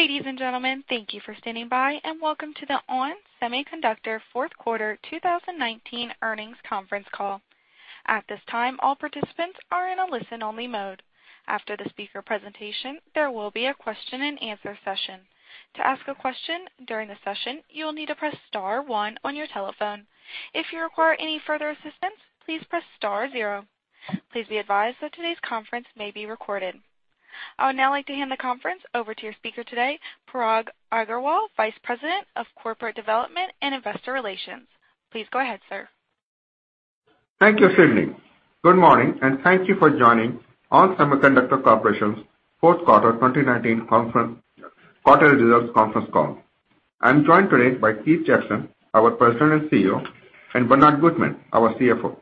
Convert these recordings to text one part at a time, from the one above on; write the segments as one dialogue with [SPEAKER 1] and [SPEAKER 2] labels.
[SPEAKER 1] Ladies and gentlemen, thank you for standing by, and welcome to the ON Semiconductor Fourth Quarter 2019 Earnings Conference Call. At this time, all participants are in a listen-only mode. After the speaker presentation, there will be a question and answer session. To ask a question during the session, you will need to press star one on your telephone. If you require any further assistance, please press star zero. Please be advised that today's conference may be recorded. I would now like to hand the conference over to your speaker today, Parag Agarwal, Vice President of Corporate Development and Investor Relations. Please go ahead, sir.
[SPEAKER 2] Thank you. Good morning, thank you for joining ON Semiconductor Corporation's fourth quarter 2019 conference, quarterly results conference call. I'm joined today by Keith Jackson, our President and CEO, and Bernard Gutmann, our CFO.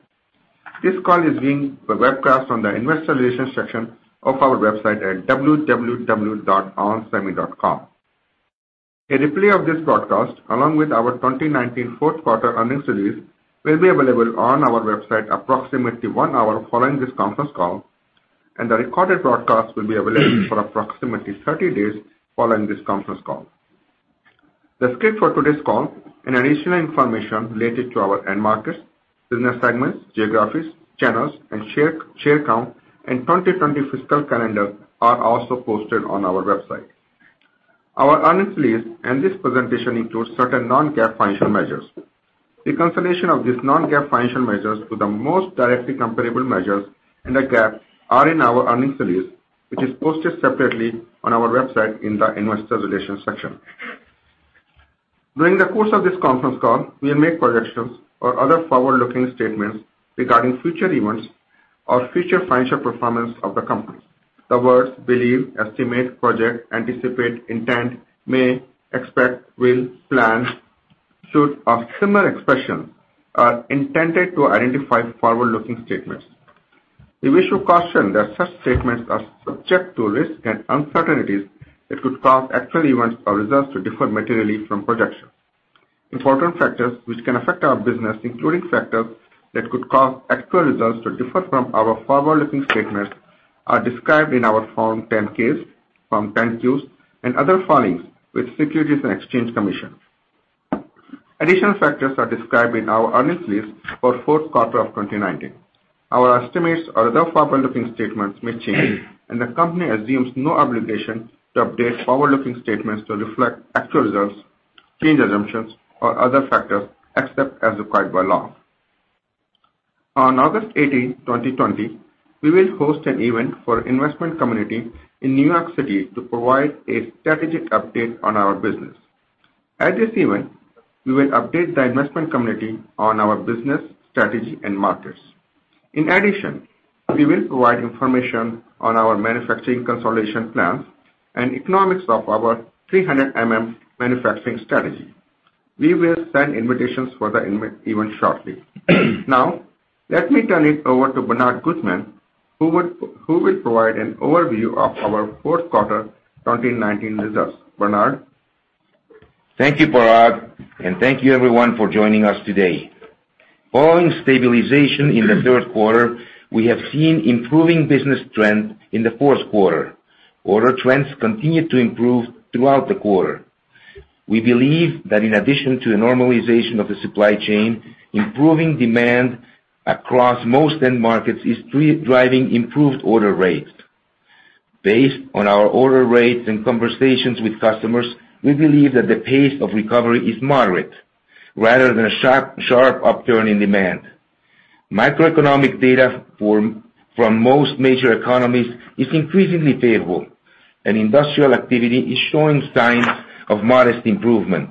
[SPEAKER 2] This call is being webcast on the investor relations section of our website at www.onsemi.com. A replay of this broadcast, along with our 2019 fourth quarter earnings release, will be available on our website approximately one hour following this conference call, and the recorded broadcast will be available for approximately 30 days following this conference call. The script for today's call and additional information related to our end markets, business segments, geographies, channels, and share count, and 2020 fiscal calendar are also posted on our website. Our earnings release and this presentation includes certain non-GAAP financial measures. The reconciliation of these non-GAAP financial measures to the most directly comparable measures in the GAAP are in our earnings release, which is posted separately on our website in the investor relations section. During the course of this conference call, we will make projections or other forward-looking statements regarding future events or future financial performance of the company. The words believe, estimate, project, anticipate, intend, may, expect, will, plan, should, or similar expressions are intended to identify forward-looking statements. We wish to caution that such statements are subject to risks and uncertainties that could cause actual events or results to differ materially from projections. Important factors which can affect our business, including factors that could cause actual results to differ from our forward-looking statements, are described in our Form 10-Ks, Form 10-Qs, and other filings with Securities and Exchange Commission. Additional factors are described in our earnings release for fourth quarter of 2019. The company assumes no obligation to update forward-looking statements to reflect actual results, changed assumptions, or other factors, except as required by law. On August 18, 2020, we will host an event for investment community in New York City to provide a strategic update on our business. At this event, we will update the investment community on our business strategy and markets. In addition, we will provide information on our manufacturing consolidation plans and economics of our 300mm manufacturing strategy. We will send invitations for the event shortly. Let me turn it over to Bernard Gutmann, who will provide an overview of our fourth quarter 2019 results. Bernard?
[SPEAKER 3] Thank you, Parag, and thank you everyone for joining us today. Following stabilization in the third quarter, we have seen improving business trend in the fourth quarter. Order trends continued to improve throughout the quarter. We believe that in addition to a normalization of the supply chain, improving demand across most end markets is driving improved order rates. Based on our order rates and conversations with customers, we believe that the pace of recovery is moderate rather than a sharp upturn in demand. Macroeconomic data from most major economies is increasingly favorable, and industrial activity is showing signs of modest improvement.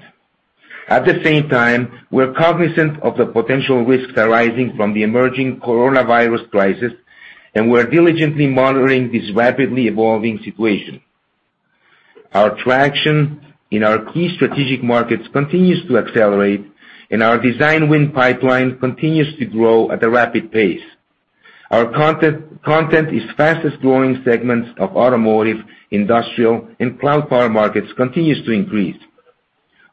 [SPEAKER 3] At the same time, we're cognizant of the potential risks arising from the emerging coronavirus crisis, and we're diligently monitoring this rapidly evolving situation. Our traction in our key strategic markets continues to accelerate, and our design win pipeline continues to grow at a rapid pace. Our content is fastest-growing segments of automotive, industrial, and cloud power markets continues to increase.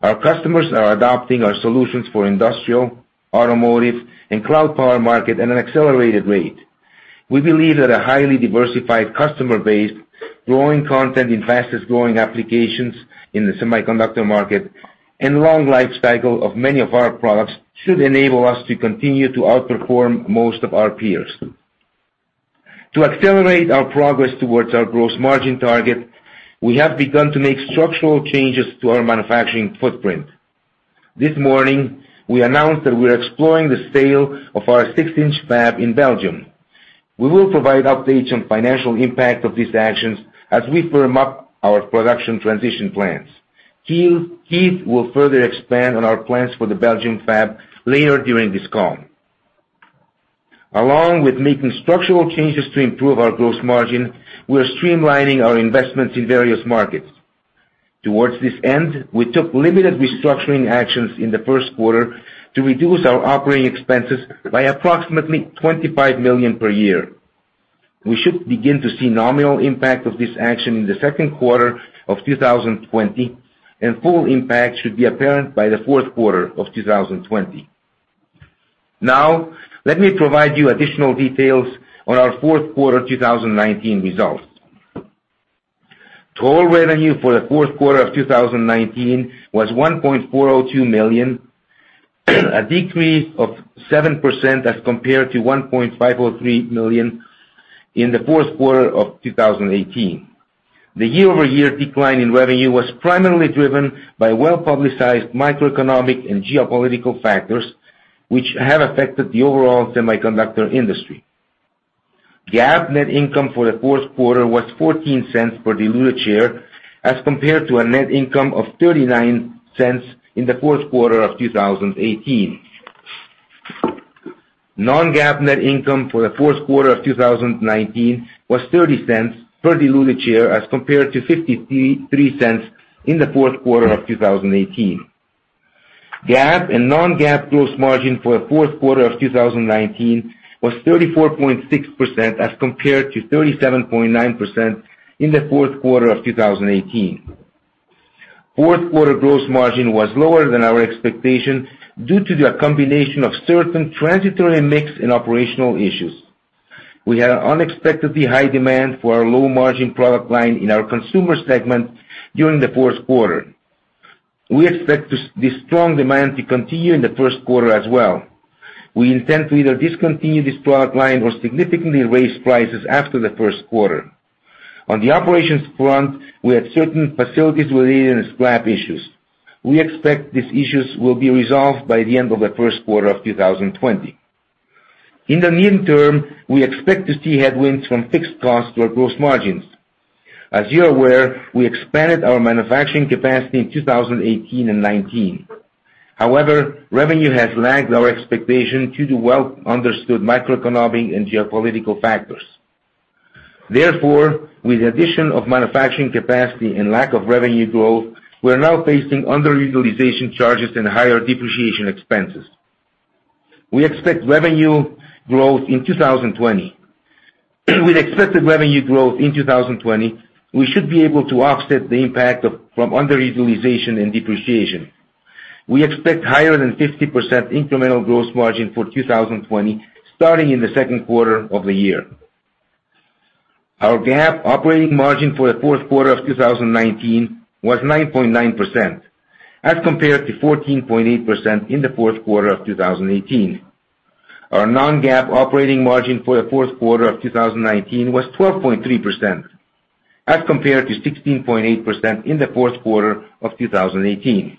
[SPEAKER 3] Our customers are adopting our solutions for industrial, automotive, and cloud power market at an accelerated rate. We believe that a highly diversified customer base, growing content in fastest-growing applications in the semiconductor market, and long life cycle of many of our products should enable us to continue to outperform most of our peers. To accelerate our progress towards our gross margin target, we have begun to make structural changes to our manufacturing footprint. This morning, we announced that we're exploring the sale of our 6-inch fab in Belgium. We will provide updates on financial impact of these actions as we firm up our production transition plans. Keith will further expand on our plans for the Belgium fab later during this call. Along with making structural changes to improve our gross margin, we are streamlining our investments in various markets. Towards this end, we took limited restructuring actions in the first quarter to reduce our operating expenses by approximately $25 million per year. We should begin to see nominal impact of this action in the second quarter of 2020, and full impact should be apparent by the fourth quarter of 2020. Now, let me provide you additional details on our fourth quarter 2019 results. Total revenue for the fourth quarter of 2019 was $1.402 million, a decrease of 7% as compared to $1.503 million in the fourth quarter of 2018. The year-over-year decline in revenue was primarily driven by well-publicized microeconomic and geopolitical factors, which have affected the overall semiconductor industry. GAAP net income for the fourth quarter was $0.14 per diluted share as compared to a net income of $0.39 in the fourth quarter of 2018. Non-GAAP net income for the fourth quarter of 2019 was $0.30 per diluted share as compared to $0.53 in the fourth quarter of 2018. GAAP and non-GAAP gross margin for the fourth quarter of 2019 was 34.6% as compared to 37.9% in the fourth quarter of 2018. Fourth quarter gross margin was lower than our expectation due to the combination of certain transitory mix and operational issues. We had unexpectedly high demand for our low margin product line in our Consumer Segment during the fourth quarter. We expect this strong demand to continue in the first quarter as well. We intend to either discontinue this product line or significantly raise prices after the first quarter. On the operations front, we had certain facilities with scrap issues. We expect these issues will be resolved by the end of the first quarter of 2020. In the near term, we expect to see headwinds from fixed costs to our gross margins. As you are aware, we expanded our manufacturing capacity in 2018 and 2019. Revenue has lagged our expectation due to well-understood macroeconomic and geopolitical factors. With the addition of manufacturing capacity and lack of revenue growth, we're now facing underutilization charges and higher depreciation expenses. We expect revenue growth in 2020. With expected revenue growth in 2020, we should be able to offset the impact from underutilization and depreciation. We expect higher than 50% incremental gross margin for 2020, starting in the second quarter of the year. Our GAAP operating margin for the fourth quarter of 2019 was 9.9%, as compared to 14.8% in the fourth quarter of 2018. Our non-GAAP operating margin for the fourth quarter of 2019 was 12.3%, as compared to 16.8% in the fourth quarter of 2018.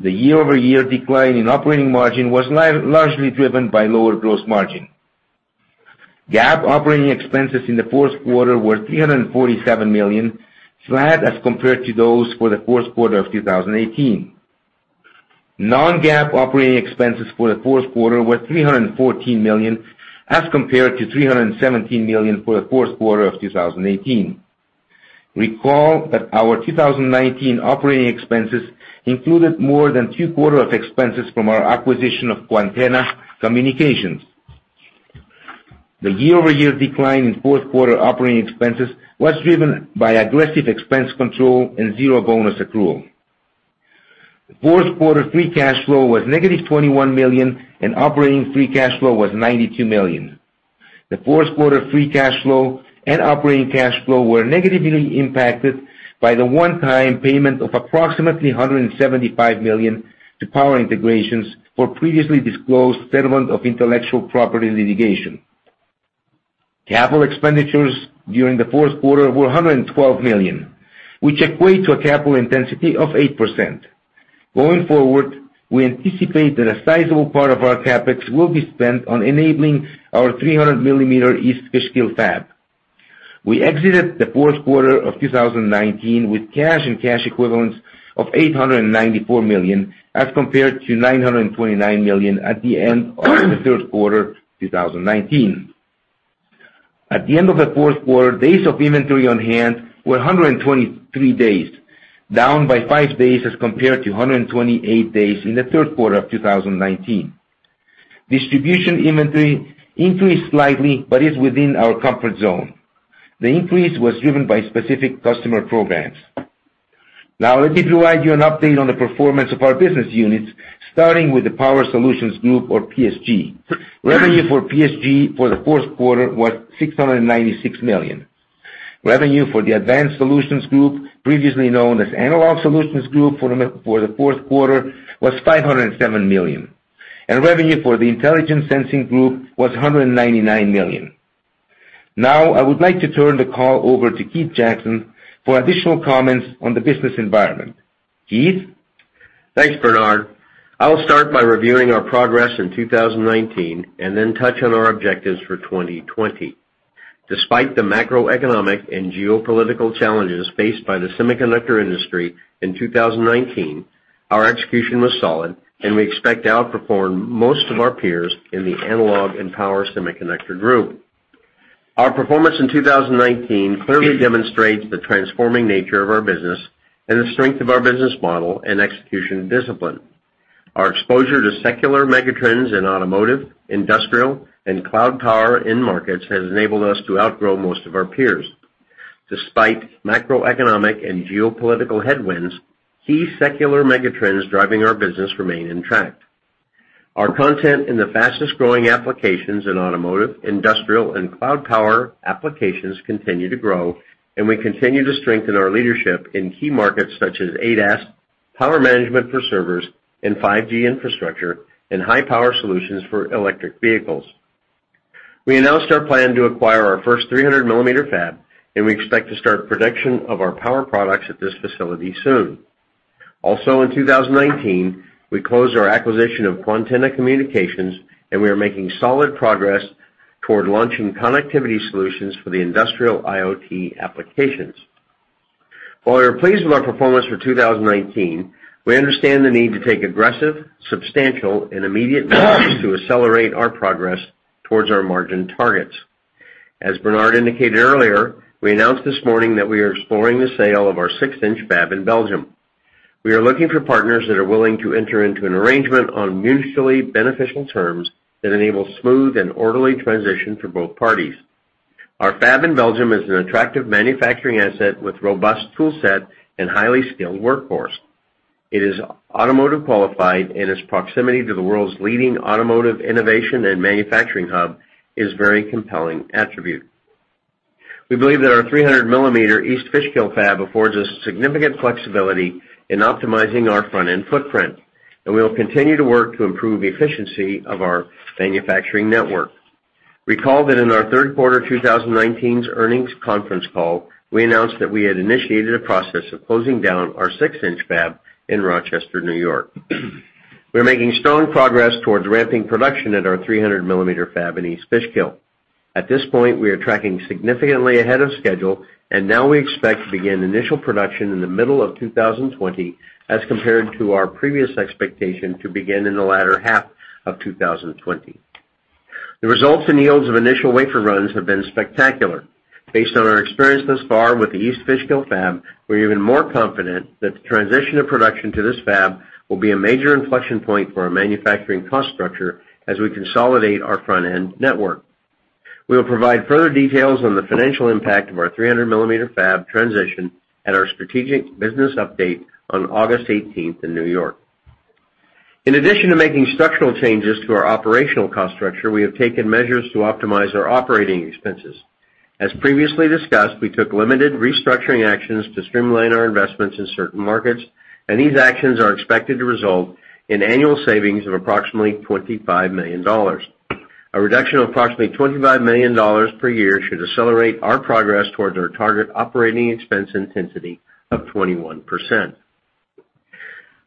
[SPEAKER 3] The year-over-year decline in operating margin was largely driven by lower gross margin. GAAP operating expenses in the fourth quarter were $347 million, flat as compared to those for the fourth quarter of 2018. Non-GAAP operating expenses for the fourth quarter were $314 million as compared to $317 million for the fourth quarter of 2018. Recall that our 2019 operating expenses included more than two quarter of expenses from our acquisition of Quantenna Communications. The year-over-year decline in fourth quarter operating expenses was driven by aggressive expense control and zero bonus accrual. The fourth quarter free cash flow was negative $21 million, and operating free cash flow was $92 million. The fourth quarter free cash flow and operating cash flow were negatively impacted by the one-time payment of approximately $175 million to Power Integrations for previously disclosed settlement of intellectual property litigation. Capital expenditures during the fourth quarter were $112 million, which equate to a capital intensity of 8%. Going forward, we anticipate that a sizable part of our CapEx will be spent on enabling our 300 mm East Fishkill fab. We exited the fourth quarter of 2019 with cash and cash equivalents of $894 million as compared to $929 million at the end of the third quarter 2019. At the end of the fourth quarter, days of inventory on hand were 123 days, down by five days as compared to 128 days in the third quarter of 2019. Distribution inventory increased slightly but is within our comfort zone. The increase was driven by specific customer programs. Let me provide you an update on the performance of our business units, starting with the Power Solutions Group or PSG. Revenue for PSG for the fourth quarter was $696 million. Revenue for the Advanced Solutions Group, previously known as Analog Solutions Group, for the fourth quarter was $507 million, and revenue for the Intelligent Sensing Group was $199 million. I would like to turn the call over to Keith Jackson for additional comments on the business environment. Keith?
[SPEAKER 4] Thanks, Bernard. I'll start by reviewing our progress in 2019 and then touch on our objectives for 2020. Despite the macroeconomic and geopolitical challenges faced by the semiconductor industry in 2019, our execution was solid, and we expect to outperform most of our peers in the analog and power semiconductor group. Our performance in 2019 clearly demonstrates the transforming nature of our business and the strength of our business model and execution discipline. Our exposure to secular megatrends in automotive, industrial, and cloud power end markets has enabled us to outgrow most of our peers. Despite macroeconomic and geopolitical headwinds, key secular megatrends driving our business remain intact. Our content in the fastest-growing applications in automotive, industrial, and cloud power applications continue to grow, and we continue to strengthen our leadership in key markets such as ADAS, power management for servers, and 5G infrastructure, and high-power solutions for electric vehicles. We announced our plan to acquire our first 300 mm fab, and we expect to start production of our power products at this facility soon. In 2019, we closed our acquisition of Quantenna Communications, and we are making solid progress toward launching connectivity solutions for the industrial IoT applications. While we are pleased with our performance for 2019, we understand the need to take aggressive, substantial, and immediate action to accelerate our progress towards our margin targets. As Bernard indicated earlier, we announced this morning that we are exploring the sale of our six-inch fab in Belgium. We are looking for partners that are willing to enter into an arrangement on mutually beneficial terms that enable smooth and orderly transition for both parties. Our fab in Belgium is an attractive manufacturing asset with robust toolset and highly skilled workforce. It is automotive qualified and its proximity to the world's leading automotive innovation and manufacturing hub is a very compelling attribute. We believe that our 300mm East Fishkill fab affords us significant flexibility in optimizing our front-end footprint, and we will continue to work to improve the efficiency of our manufacturing network. Recall that in our third quarter 2019's earnings conference call, we announced that we had initiated a process of closing down our 6-inch fab in Rochester, N.Y. We are making strong progress towards ramping production at our 300 mm fab in East Fishkill. Now we expect to begin initial production in the middle of 2020 as compared to our previous expectation to begin in the latter half of 2020. The results and yields of initial wafer runs have been spectacular. Based on our experience thus far with the East Fishkill fab, we're even more confident that the transition of production to this fab will be a major inflection point for our manufacturing cost structure as we consolidate our front-end network. We will provide further details on the financial impact of our 300 mm fab transition at our strategic business update on August 18th in New York. In addition to making structural changes to our operational cost structure, we have taken measures to optimize our operating expenses. As previously discussed, we took limited restructuring actions to streamline our investments in certain markets, these actions are expected to result in annual savings of approximately $25 million. A reduction of approximately $25 million per year should accelerate our progress towards our target operating expense intensity of 21%.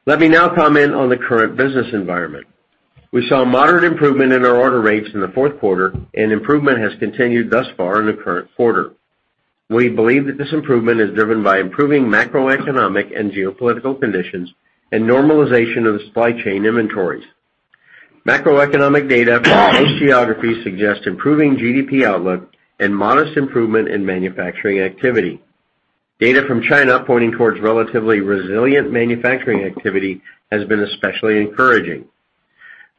[SPEAKER 4] Let me now comment on the current business environment. We saw a moderate improvement in our order rates in the fourth quarter, and improvement has continued thus far in the current quarter. We believe that this improvement is driven by improving macroeconomic and geopolitical conditions and normalization of the supply chain inventories. Macroeconomic data from most geographies suggest improving GDP outlook and modest improvement in manufacturing activity. Data from China pointing towards relatively resilient manufacturing activity has been especially encouraging.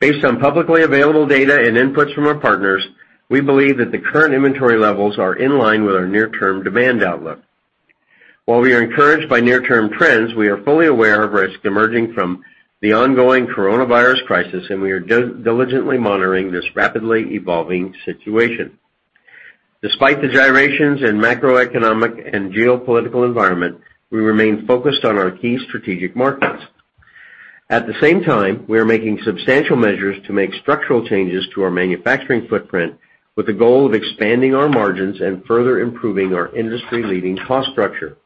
[SPEAKER 4] Based on publicly available data and inputs from our partners, we believe that the current inventory levels are in line with our near-term demand outlook. While we are encouraged by near-term trends, we are fully aware of risk emerging from the ongoing coronavirus crisis, and we are diligently monitoring this rapidly evolving situation. Despite the gyrations in macroeconomic and geopolitical environment, we remain focused on our key strategic markets. At the same time, we are making substantial measures to make structural changes to our manufacturing footprint with the goal of expanding our margins and further improving our industry-leading cost structure.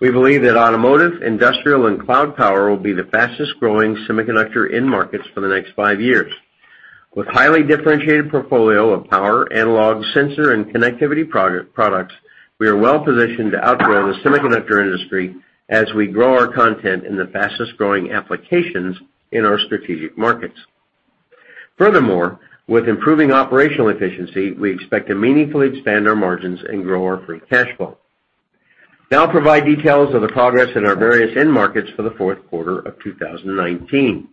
[SPEAKER 4] We believe that automotive, industrial, and cloud power will be the fastest-growing semiconductor end markets for the next five years. With highly differentiated portfolio of power, analog, sensor, and connectivity products, we are well positioned to outgrow the semiconductor industry as we grow our content in the fastest-growing applications in our strategic markets. Furthermore, with improving operational efficiency, we expect to meaningfully expand our margins and grow our free cash flow. Now I'll provide details of the progress in our various end markets for the fourth quarter of 2019.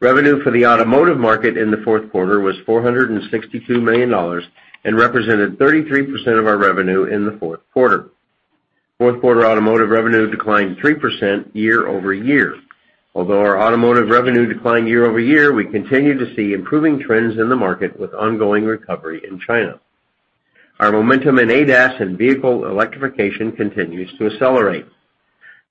[SPEAKER 4] Revenue for the automotive market in the fourth quarter was $462 million and represented 33% of our revenue in the fourth quarter. Fourth quarter automotive revenue declined 3% year-over-year. Although our automotive revenue declined year-over-year, we continue to see improving trends in the market with ongoing recovery in China. Our momentum in ADAS and vehicle electrification continues to accelerate.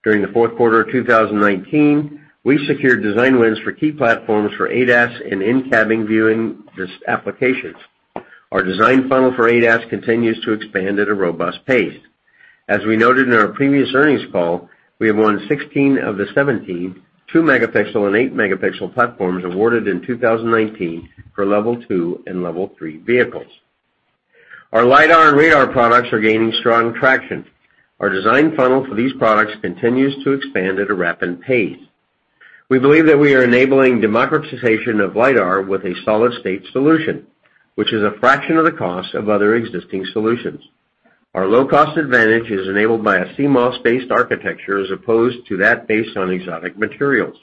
[SPEAKER 4] During the fourth quarter of 2019, we secured design wins for key platforms for ADAS and in-cabin viewing applications. Our design funnel for ADAS continues to expand at a robust pace. As we noted in our previous earnings call, we have won 16 of the 17 two-megapixel and eight-megapixel platforms awarded in 2019 for level two and level three vehicles. Our LiDAR and radar products are gaining strong traction. Our design funnel for these products continues to expand at a rapid pace. We believe that we are enabling democratization of LiDAR with a solid-state solution, which is a fraction of the cost of other existing solutions. Our low-cost advantage is enabled by a CMOS-based architecture as opposed to that based on exotic materials.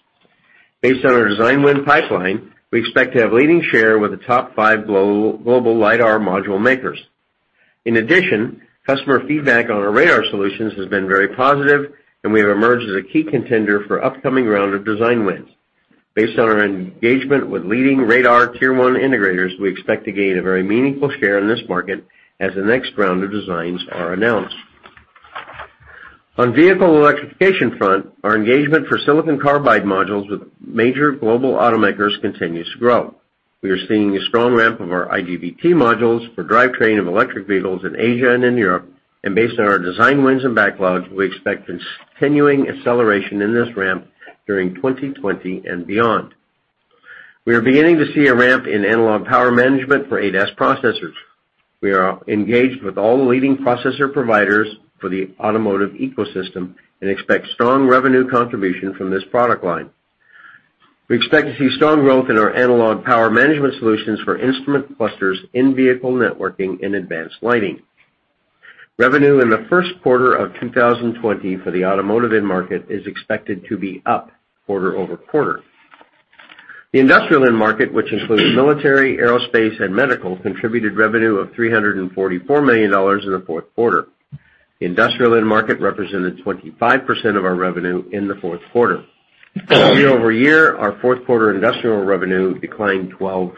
[SPEAKER 4] Based on our design win pipeline, we expect to have leading share with the top five global LiDAR module makers. In addition, customer feedback on our radar solutions has been very positive, and we have emerged as a key contender for upcoming round of design wins. Based on our engagement with leading radar Tier 1 integrators, we expect to gain a very meaningful share in this market as the next round of designs are announced. On vehicle electrification front, our engagement for silicon carbide modules with major global automakers continues to grow. We are seeing a strong ramp of our IGBT modules for drivetrain of electric vehicles in Asia and in Europe, and based on our design wins and backlogs, we expect continuing acceleration in this ramp during 2020 and beyond. We are beginning to see a ramp in analog power management for ADAS processors. We are engaged with all the leading processor providers for the automotive ecosystem and expect strong revenue contribution from this product line. We expect to see strong growth in our analog power management solutions for instrument clusters in vehicle networking and advanced lighting. Revenue in the first quarter of 2020 for the automotive end market is expected to be up quarter-over-quarter. The industrial end market, which includes military, aerospace, and medical, contributed revenue of $344 million in the fourth quarter. Industrial end market represented 25% of our revenue in the fourth quarter. Year-over-year, our fourth quarter industrial revenue declined 12%.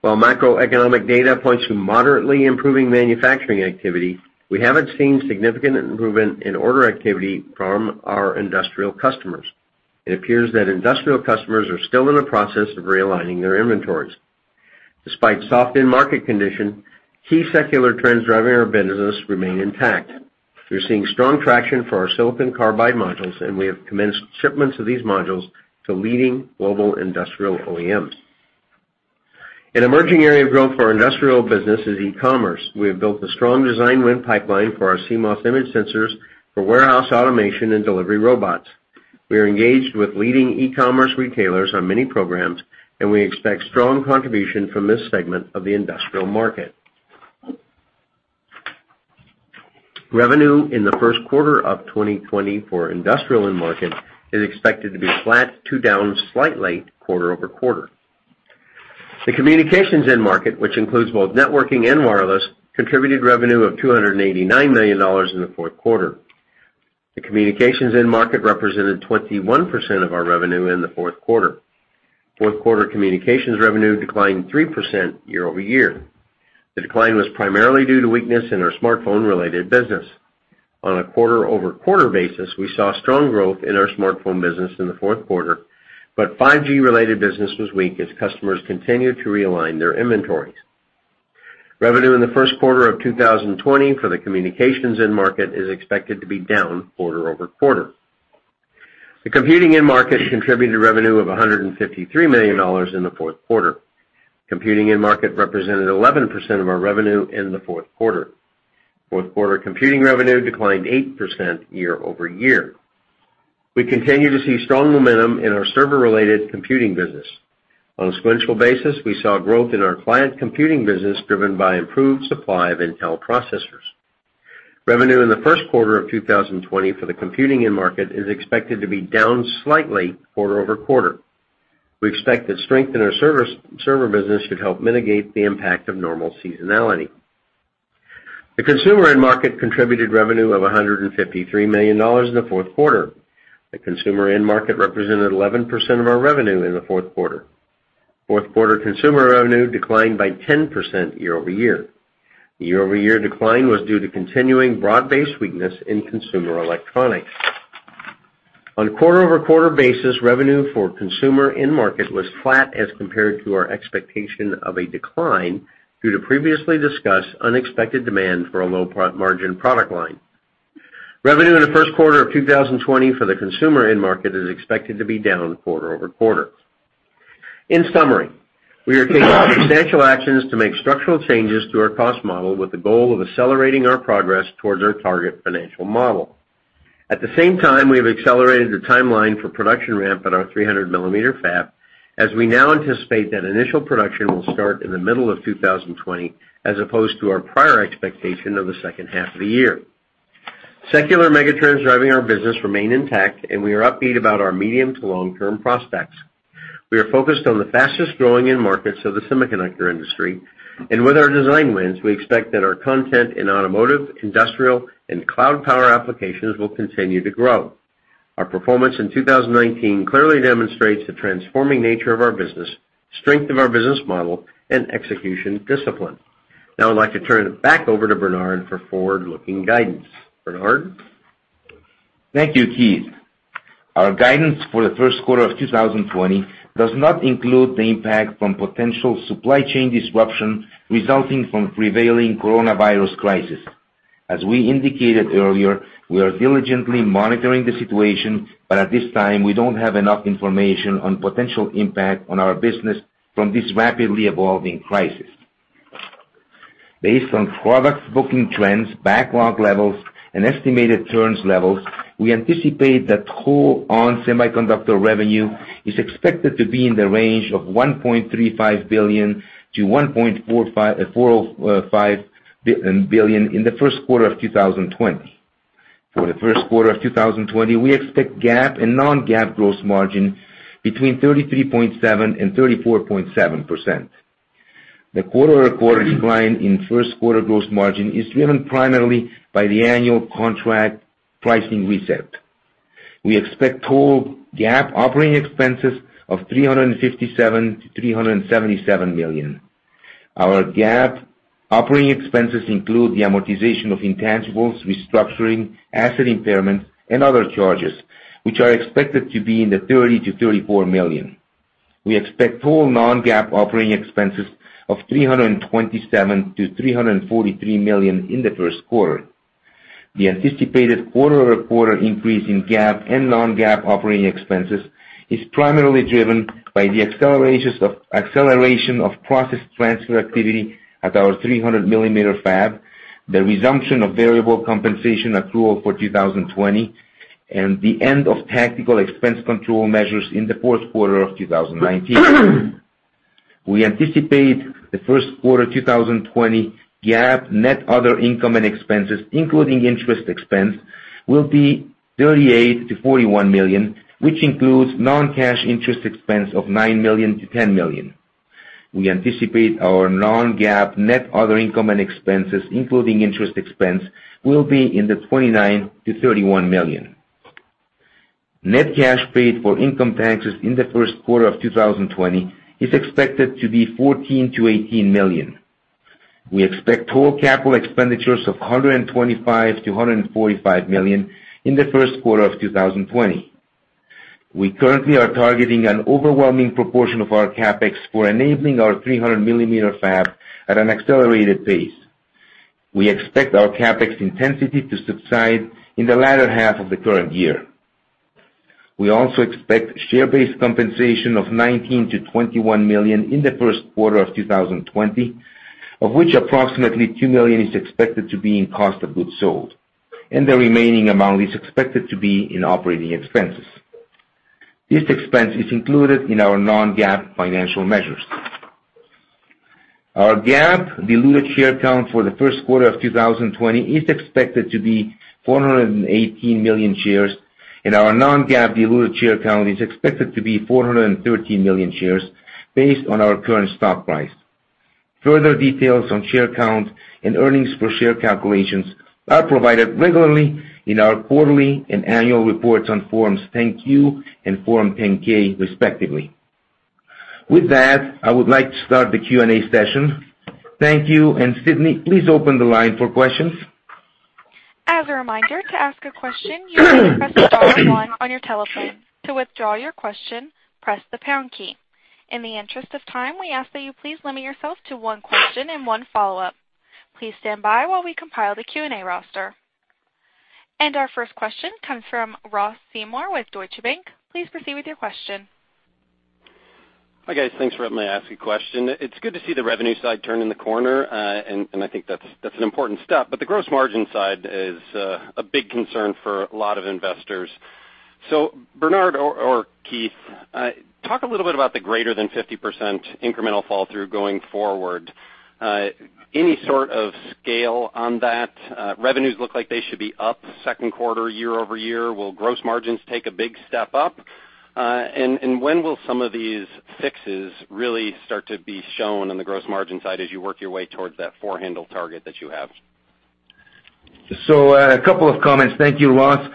[SPEAKER 4] While macroeconomic data points to moderately improving manufacturing activity, we haven't seen significant improvement in order activity from our industrial customers. It appears that industrial customers are still in the process of realigning their inventories. Despite soft end market condition, key secular trends driving our business remain intact. We're seeing strong traction for our silicon carbide modules, and we have commenced shipments of these modules to leading global industrial OEMs. An emerging area of growth for our industrial business is e-commerce. We have built a strong design win pipeline for our CMOS image sensors for warehouse automation and delivery robots. We are engaged with leading e-commerce retailers on many programs, and we expect strong contribution from this segment of the industrial market. Revenue in the first quarter of 2020 for industrial end market is expected to be flat to down slightly quarter-over-quarter. The communications end market, which includes both networking and wireless, contributed revenue of $289 million in the fourth quarter. The communications end market represented 21% of our revenue in the fourth quarter. Fourth quarter communications revenue declined 3% year-over-year. The decline was primarily due to weakness in our smartphone related business. On a quarter-over-quarter basis, we saw strong growth in our smartphone business in the fourth quarter, but 5G related business was weak as customers continued to realign their inventories. Revenue in the first quarter of 2020 for the communications end market is expected to be down quarter-over-quarter. The computing end market contributed revenue of $153 million in the fourth quarter. Computing end market represented 11% of our revenue in the fourth quarter. Fourth quarter computing revenue declined 8% year-over-year. We continue to see strong momentum in our server related computing business. On a sequential basis, we saw growth in our client computing business driven by improved supply of Intel processors. Revenue in the first quarter of 2020 for the computing end market is expected to be down slightly quarter-over-quarter. We expect that strength in our server business should help mitigate the impact of normal seasonality. The consumer end market contributed revenue of $153 million in the fourth quarter. The consumer end market represented 11% of our revenue in the fourth quarter. Fourth quarter consumer revenue declined by 10% year-over-year. The year-over-year decline was due to continuing broad-based weakness in consumer electronics. On a quarter-over-quarter basis, revenue for consumer end market was flat as compared to our expectation of a decline due to previously discussed unexpected demand for a low margin product line. Revenue in the first quarter of 2020 for the consumer end market is expected to be down quarter-over-quarter. In summary, we are taking substantial actions to make structural changes to our cost model with the goal of accelerating our progress towards our target financial model. At the same time, we have accelerated the timeline for production ramp at our 300 mm fab, as we now anticipate that initial production will start in the middle of 2020 as opposed to our prior expectation of the second half of the year. Secular megatrends driving our business remain intact, and we are upbeat about our medium to long term prospects. We are focused on the fastest growing end markets of the semiconductor industry, and with our design wins, we expect that our content in automotive, industrial, and cloud power applications will continue to grow. Our performance in 2019 clearly demonstrates the transforming nature of our business, strength of our business model, and execution discipline. Now I'd like to turn it back over to Bernard for forward-looking guidance. Bernard?
[SPEAKER 3] Thank you, Keith. Our guidance for the first quarter of 2020 does not include the impact from potential supply chain disruption resulting from prevailing coronavirus crisis. As we indicated earlier, we are diligently monitoring the situation, at this time, we don't have enough information on potential impact on our business from this rapidly evolving crisis. Based on product booking trends, backlog levels, and estimated turns levels, we anticipate that total ON Semiconductor revenue is expected to be in the range of $1.35 billion-$1.45 billion in the first quarter of 2020. For the first quarter of 2020, we expect GAAP and non-GAAP gross margin between 33.7% and 34.7%. The quarter-over-quarter decline in first-quarter gross margin is driven primarily by the annual contract pricing reset. We expect total GAAP operating expenses of $357 million-$377 million. Our GAAP operating expenses include the amortization of intangibles, restructuring, asset impairment, and other charges, which are expected to be in the $30 million-$34 million. We expect total non-GAAP operating expenses of $327 million-$343 million in the first quarter. The anticipated quarter-over-quarter increase in GAAP and non-GAAP operating expenses is primarily driven by the acceleration of process transfer activity at our 300 mm fab, the resumption of variable compensation accrual for 2020, and the end of tactical expense control measures in the fourth quarter of 2019. We anticipate the first quarter 2020 GAAP net other income and expenses, including interest expense, will be $38 million-$41 million, which includes non-cash interest expense of $9 million-$10 million. We anticipate our non-GAAP net other income and expenses, including interest expense, will be in the $29 million-$31 million. Net cash paid for income taxes in the first quarter of 2020 is expected to be $14 million-$18 million. We expect total capital expenditures of $125 million-$145 million in the first quarter of 2020. We currently are targeting an overwhelming proportion of our CapEx for enabling our 300 mm fab at an accelerated pace. We expect our CapEx intensity to subside in the latter half of the current year. We also expect share-based compensation of $19 million-$21 million in the first quarter of 2020, of which approximately $2 million is expected to be in cost of goods sold, and the remaining amount is expected to be in operating expenses. This expense is included in our non-GAAP financial measures. Our GAAP diluted share count for the first quarter of 2020 is expected to be 418 million shares, and our non-GAAP diluted share count is expected to be 413 million shares, based on our current stock price. Further details on share count and earnings per share calculations are provided regularly in our quarterly and annual reports on Forms 10-Q and Form 10-K respectively. With that, I would like to start the Q&A session. Thank you. Sydney, please open the line for questions.
[SPEAKER 1] As a reminder, to ask a question, you need to press star one on your telephone. To withdraw your question, press the pound key. In the interest of time, we ask that you please limit yourself to one question and one follow-up. Please stand by while we compile the Q&A roster. Our first question comes from Ross Seymore with Deutsche Bank. Please proceed with your question.
[SPEAKER 5] Hi, guys. Thanks for letting me ask a question. It's good to see the revenue side turning the corner, and I think that's an important step. The gross margin side is a big concern for a lot of investors. Bernard or Keith, talk a little bit about the greater than 50% incremental fall-through going forward. Any sort of scale on that? Revenues look like they should be up second quarter year-over-year. Will gross margins take a big step up? When will some of these fixes really start to be shown on the gross margin side as you work your way towards that four handle target that you have?
[SPEAKER 3] A couple of comments. Thank you, Ross.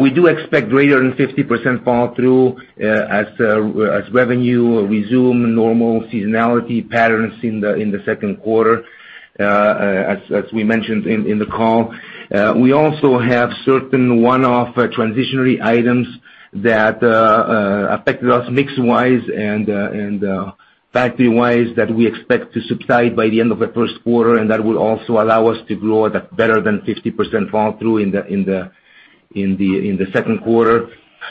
[SPEAKER 3] We do expect greater than 50% fall-through as revenue resume normal seasonality patterns in the second quarter, as we mentioned in the call. We also have certain one-off transitionary items that affected us mix-wise and factory-wise that we expect to subside by the end of the first quarter, and that will also allow us to grow at a better than 50% fall-through in the second quarter.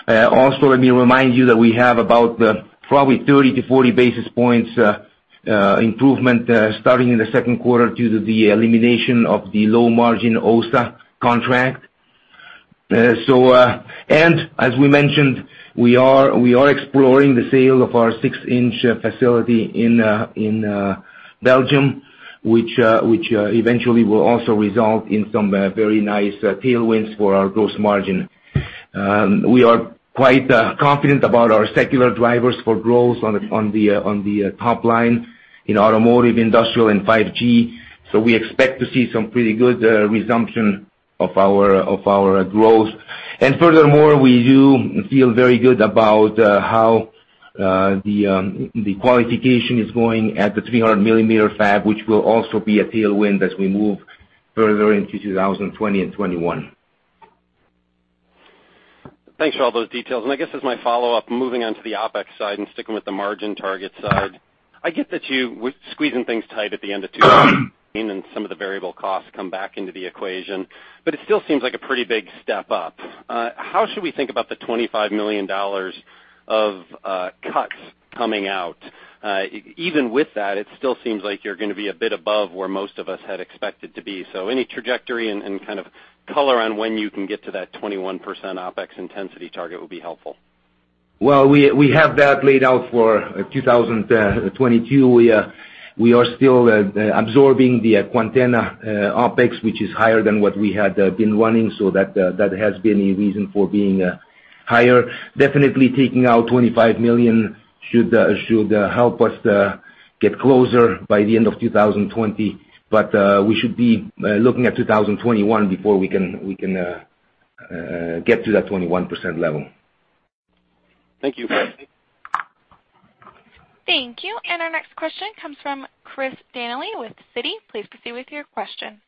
[SPEAKER 3] Let me remind you that we have about probably 30-40 basis points improvement starting in the second quarter due to the elimination of the low-margin OSAT contract. As we mentioned, we are exploring the sale of our 6-inch facility in Belgium, which eventually will also result in some very nice tailwinds for our gross margin. We are quite confident about our secular drivers for growth on the top line in automotive, industrial, and 5G. We expect to see some pretty good resumption of our growth. Furthermore, we do feel very good about how the qualification is going at the 300 mm fab, which will also be a tailwind as we move further into 2020 and 2021.
[SPEAKER 5] Thanks for all those details. I guess as my follow-up, moving on to the OpEx side and sticking with the margin target side, I get that you were squeezing things tight at the end of 2019 and some of the variable costs come back into the equation, but it still seems like a pretty big step-up. How should we think about the $25 million of cuts coming out? Even with that, it still seems like you're going to be a bit above where most of us had expected to be. Any trajectory and kind of color on when you can get to that 21% OpEx intensity target would be helpful.
[SPEAKER 3] Well, we have that laid out for 2022. We are still absorbing the Quantenna OpEX, which is higher than what we had been running. That has been a reason for being higher. Definitely taking out $25 million should help us get closer by the end of 2020. We should be looking at 2021 before we can get to that 21% level.
[SPEAKER 5] Thank you.
[SPEAKER 1] Thank you. Our next question comes from Chris Danely with Citi. Please proceed with your question.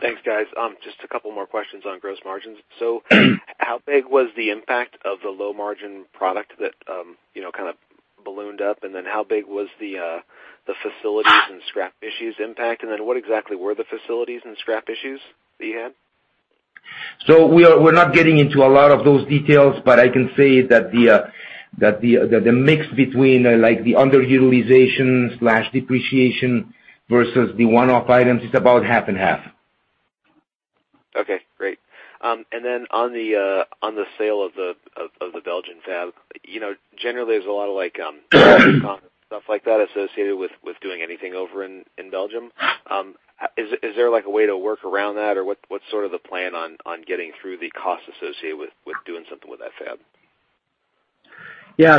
[SPEAKER 6] Thanks, guys. Just a couple more questions on gross margins. How big was the impact of the low-margin product that kind of ballooned up? How big was the facilities and scrap issues impact? What exactly were the facilities and scrap issues that you had?
[SPEAKER 3] We're not getting into a lot of those details, but I can say that the mix between the underutilization/depreciation versus the one-off items is about half and half.
[SPEAKER 6] Okay, great. Then on the sale of the Belgian fab, generally, there's a lot of stuff like that associated with doing anything over in Belgium. Is there a way to work around that? What's sort of the plan on getting through the costs associated with doing something with that fab?
[SPEAKER 4] Yeah.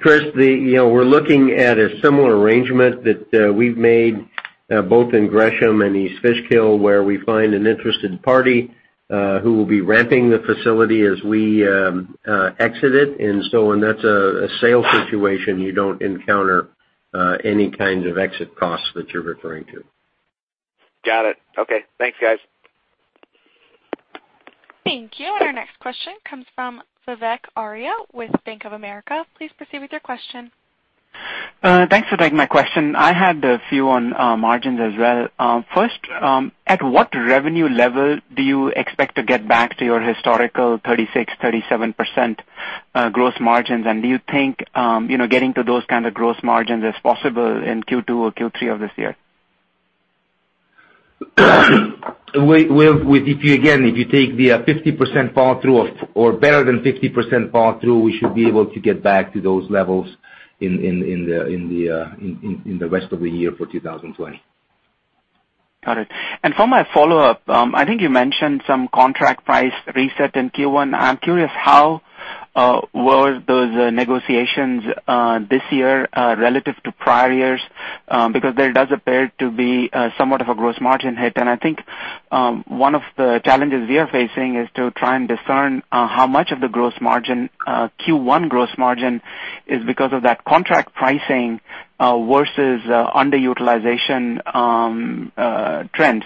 [SPEAKER 4] Chris, we're looking at a similar arrangement that we've made both in Gresham and East Fishkill, where we find an interested party who will be ramping the facility as we exit it. When that's a sale situation, you don't encounter any kind of exit costs that you're referring to.
[SPEAKER 6] Got it. Okay. Thanks, guys.
[SPEAKER 1] Thank you. Our next question comes from Vivek Arya with Bank of America. Please proceed with your question.
[SPEAKER 7] Thanks for taking my question. I had a few on margins as well. First, at what revenue level do you expect to get back to your historical 36%-37% gross margins? Do you think getting to those kind of gross margins is possible in Q2 or Q3 of this year?
[SPEAKER 3] If you take the 50% fall through or better than 50% fall through, we should be able to get back to those levels in the rest of the year for 2020.
[SPEAKER 7] Got it. For my follow-up, I think you mentioned some contract price reset in Q1. I'm curious how were those negotiations this year relative to prior years? There does appear to be somewhat of a gross margin hit. I think one of the challenges we are facing is to try and discern how much of the Q1 gross margin is because of that contract pricing versus underutilization trends.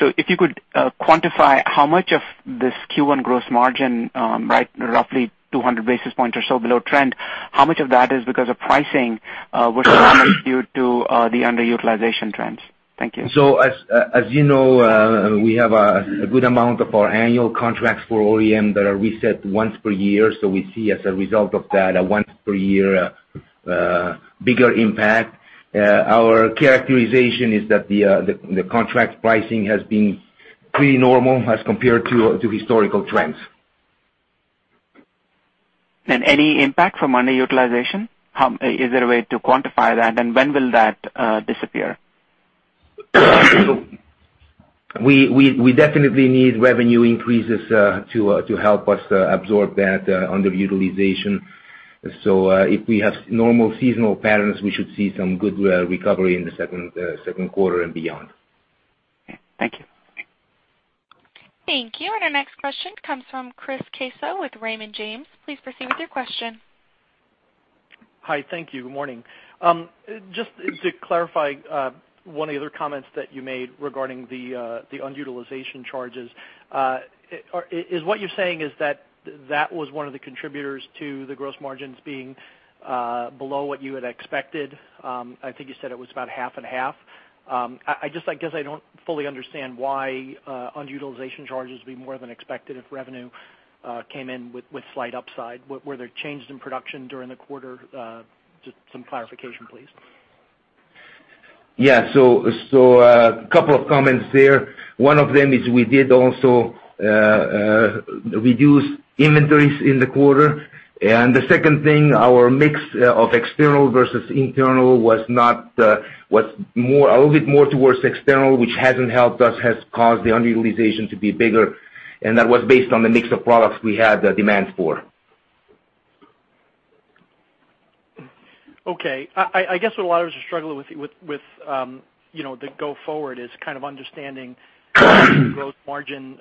[SPEAKER 7] If you could quantify how much of this Q1 gross margin, roughly 200 basis points or so below trend, how much of that is because of pricing versus how much due to the underutilization trends? Thank you.
[SPEAKER 3] As you know, we have a good amount of our annual contracts for OEM that are reset once per year. We see as a result of that, a once per year bigger impact. Our characterization is that the contract pricing has been pretty normal as compared to historical trends.
[SPEAKER 7] Any impact from underutilization? Is there a way to quantify that? When will that disappear?
[SPEAKER 3] We definitely need revenue increases to help us absorb that underutilization. If we have normal seasonal patterns, we should see some good recovery in the second quarter and beyond.
[SPEAKER 7] Okay. Thank you.
[SPEAKER 1] Thank you. Our next question comes from Chris Caso with Raymond James. Please proceed with your question.
[SPEAKER 8] Hi. Thank you. Good morning. Just to clarify one of the other comments that you made regarding the unutilization charges. Is what you're saying is that that was one of the contributors to the gross margins being below what you had expected? I think you said it was about half and half. I guess I don't fully understand why unutilization charges would be more than expected if revenue came in with slight upside. Were there changes in production during the quarter? Just some clarification, please.
[SPEAKER 3] A couple of comments there. One of them is we did also reduce inventories in the quarter. The second thing, our mix of external versus internal was a little bit more towards external, which hasn't helped us, has caused the underutilization to be bigger, and that was based on the mix of products we had demands for.
[SPEAKER 8] Okay. I guess what a lot of us are struggling with the go forward is kind of understanding the gross margin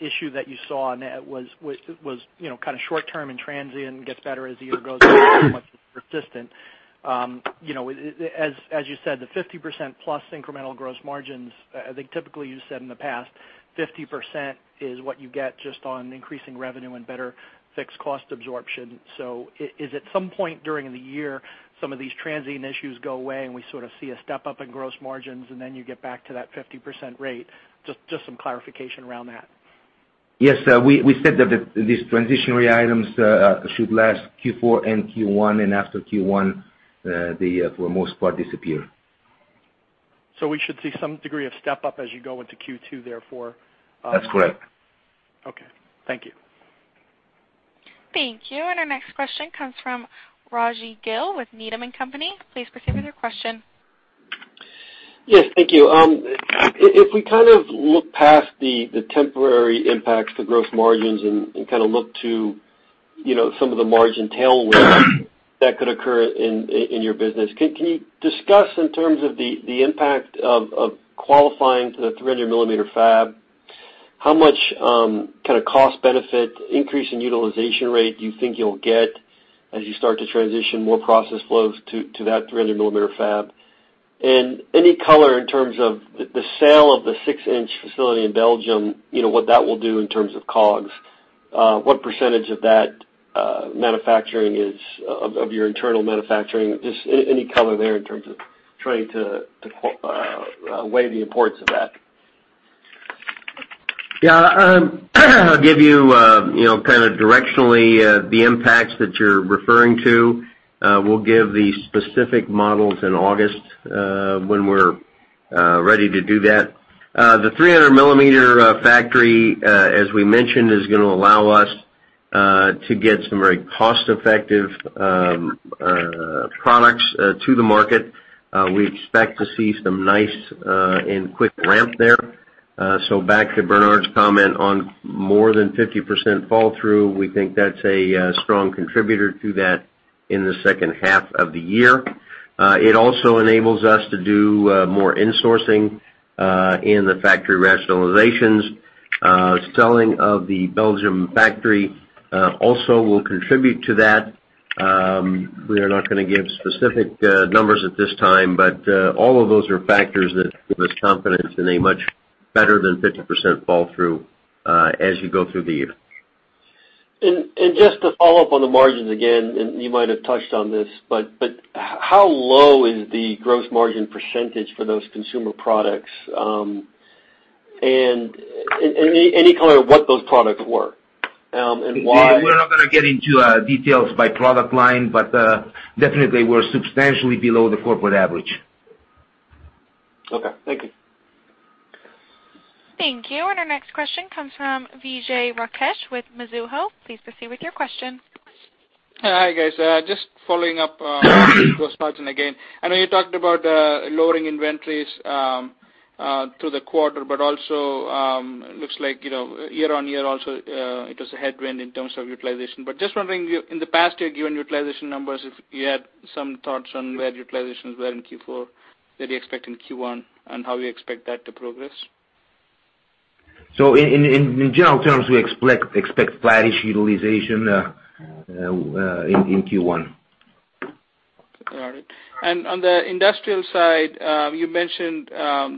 [SPEAKER 8] issue that you saw, and that was kind of short-term and transient, gets better as the year goes on. How much is persistent? As you said, the +50% incremental gross margins, I think typically you said in the past, 50% is what you get just on increasing revenue and better fixed cost absorption. Is it at some point during the year, some of these transient issues go away, and we sort of see a step up in gross margins, and then you get back to that 50% rate? Just some clarification around that.
[SPEAKER 3] Yes. We said that these transitionary items should last Q4 and Q1, and after Q1, they for the most part disappear.
[SPEAKER 8] We should see some degree of step up as you go into Q2.
[SPEAKER 4] That's correct.
[SPEAKER 8] Okay. Thank you.
[SPEAKER 1] Thank you. Our next question comes from Rajvindra Gill with Needham & Company. Please proceed with your question.
[SPEAKER 9] Yes. Thank you. If we look past the temporary impacts to gross margins and look to some of the margin tailwinds that could occur in your business, can you discuss in terms of the impact of qualifying to the 300 mm fab, how much cost benefit increase in utilization rate do you think you'll get as you start to transition more process flows to that 300 mm fab? Any color in terms of the sale of the 6-inch facility in Belgium, what that will do in terms of COGS. What percentage of your internal manufacturing, just any color there in terms of trying to weigh the importance of that.
[SPEAKER 4] I'll give you directionally the impacts that you're referring to. We'll give the specific models in August, when we're ready to do that. The 300 mm factory, as we mentioned, is going to allow us to get some very cost-effective products to the market. We expect to see some nice and quick ramp there. Back to Bernard's comment on more than 50% fall-through, we think that's a strong contributor to that in the second half of the year. It also enables us to do more insourcing in the factory rationalizations. Selling of the Belgium factory also will contribute to that. We are not going to give specific numbers at this time, but all of those are factors that give us confidence in a much better than 50% fall-through as you go through the year.
[SPEAKER 9] Just to follow up on the margins again, you might have touched on this, but how low is the gross margin percentage for those consumer products? Any color of what those products were, and why?
[SPEAKER 4] We're not going to get into details by product line, but definitely we're substantially below the corporate average.
[SPEAKER 9] Okay. Thank you.
[SPEAKER 1] Thank you. Our next question comes from Vijay Rakesh with Mizuho. Please proceed with your question.
[SPEAKER 10] Hi, guys. Just following up on gross margin again. I know you talked about lowering inventories through the quarter, but also looks like year-on-year also it was a headwind in terms of utilization. Just wondering, in the past year, given utilization numbers, if you had some thoughts on where utilizations were in Q4 that you expect in Q1, and how you expect that to progress.
[SPEAKER 4] In general terms, we expect flattish utilization in Q1.
[SPEAKER 10] Got it. On the industrial side, you mentioned